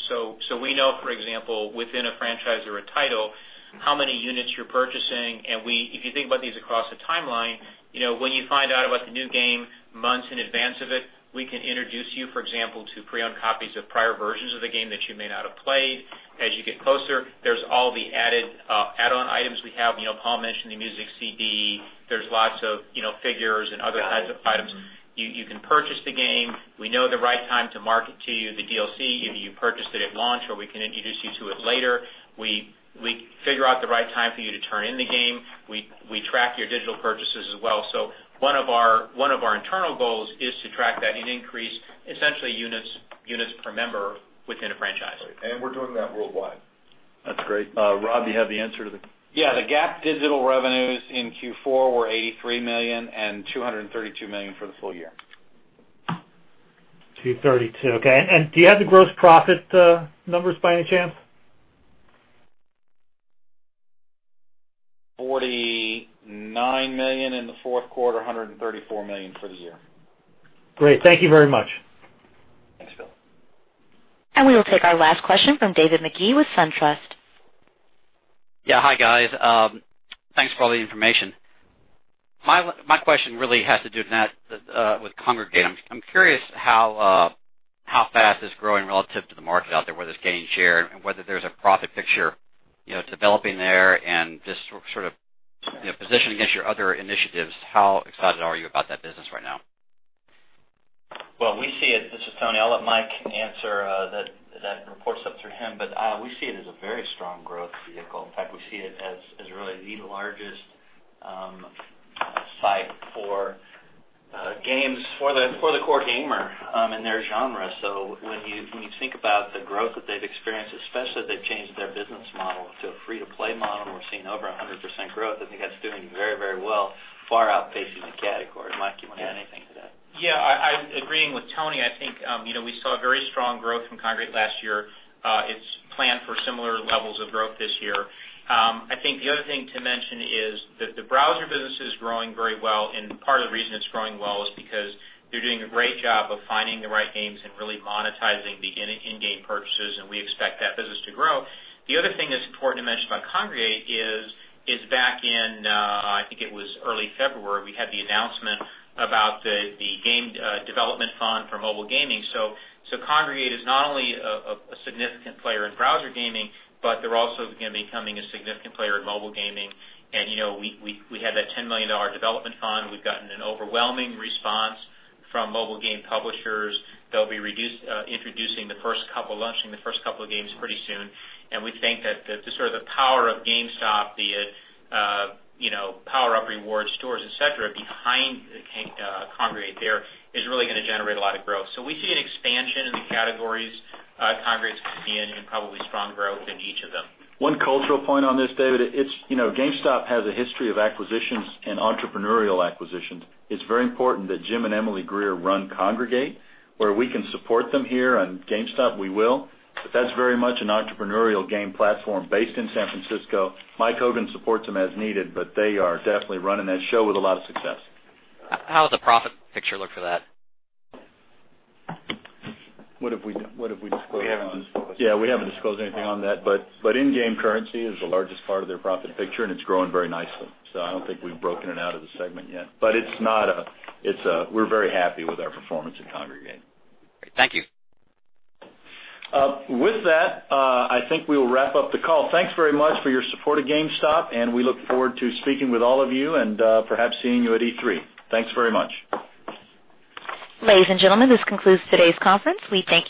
We know, for example, within a franchise or a title, how many units you're purchasing, and if you think about these across a timeline, when you find out about the new game months in advance of it, we can introduce you, for example, to pre-owned copies of prior versions of the game that you may not have played. As you get closer, there's all the add-on items we have. Paul mentioned the music CD. There's lots of figures and other kinds of items. You can purchase the game. We know the right time to market to you the DLC. Either you purchase it at launch, or we can introduce you to it later. We figure out the right time for you to turn in the game. We track your digital purchases as well. One of our internal goals is to track that and increase essentially units per member within a franchise. We're doing that worldwide. That's great. Rob, do you have the answer to the Yeah, the GAAP digital revenues in Q4 were $83 million and $232 million for the full year. $232. Okay. Do you have the gross profit numbers by any chance? $49 million in the fourth quarter, $134 million for the year. Great. Thank you very much. Thanks, Bill. We will take our last question from David Magee with SunTrust. Yeah. Hi, guys. Thanks for all the information. My question really has to do with Kongregate. I'm curious how fast it's growing relative to the market out there, whether it's gaining share and whether there's a profit picture developing there and just sort of position against your other initiatives, how excited are you about that business right now? Well, we see it. This is Tony. I'll let Mike answer that. That reports up through him, but we see it as a very strong growth vehicle. In fact, we see it as really the largest site for games for the core gamer in their genre. When you think about the growth that they've experienced, especially if they've changed their business model to a free-to-play model and we're seeing over 100% growth, I think that's doing very well, far outpacing the category. Mike, you want to add anything to that? Yeah, I'm agreeing with Tony. I think, we saw very strong growth from Kongregate last year. It's planned for similar levels of growth this year. I think the other thing to mention is that the browser business is growing very well, and part of the reason it's growing well is because they're doing a great job of finding the right games and really monetizing the in-game purchases, and we expect that business to grow. The other thing that's important to mention about Kongregate is back in, I think it was early February, we had the announcement about the game development fund for mobile gaming. Kongregate is not only a significant player in browser gaming, but they're also going to becoming a significant player in mobile gaming. We had that $10 million development fund, and we've gotten an overwhelming response from mobile game publishers. They'll be launching the first couple of games pretty soon. We think that the sort of power of GameStop, the PowerUp Rewards stores, et cetera, behind Kongregate there is really going to generate a lot of growth. We see an expansion in the categories Kongregate's going to be in and probably strong growth in each of them. One cultural point on this, David, GameStop has a history of acquisitions and entrepreneurial acquisitions. It's very important that Jim and Emily Greer run Kongregate, where we can support them here on GameStop, we will. That's very much an entrepreneurial game platform based in San Francisco. Mike Hogan supports them as needed, they are definitely running that show with a lot of success. How's the profit picture look for that? What have we disclosed on- We haven't disclosed. Yeah, we haven't disclosed anything on that, but in-game currency is the largest part of their profit picture, and it's growing very nicely. I don't think we've broken it out of the segment yet. We're very happy with our performance at Kongregate. Great. Thank you. With that, I think we will wrap up the call. Thanks very much for your support of GameStop, and we look forward to speaking with all of you and perhaps seeing you at E3. Thanks very much. Ladies and gentlemen, this concludes today's conference. We thank you.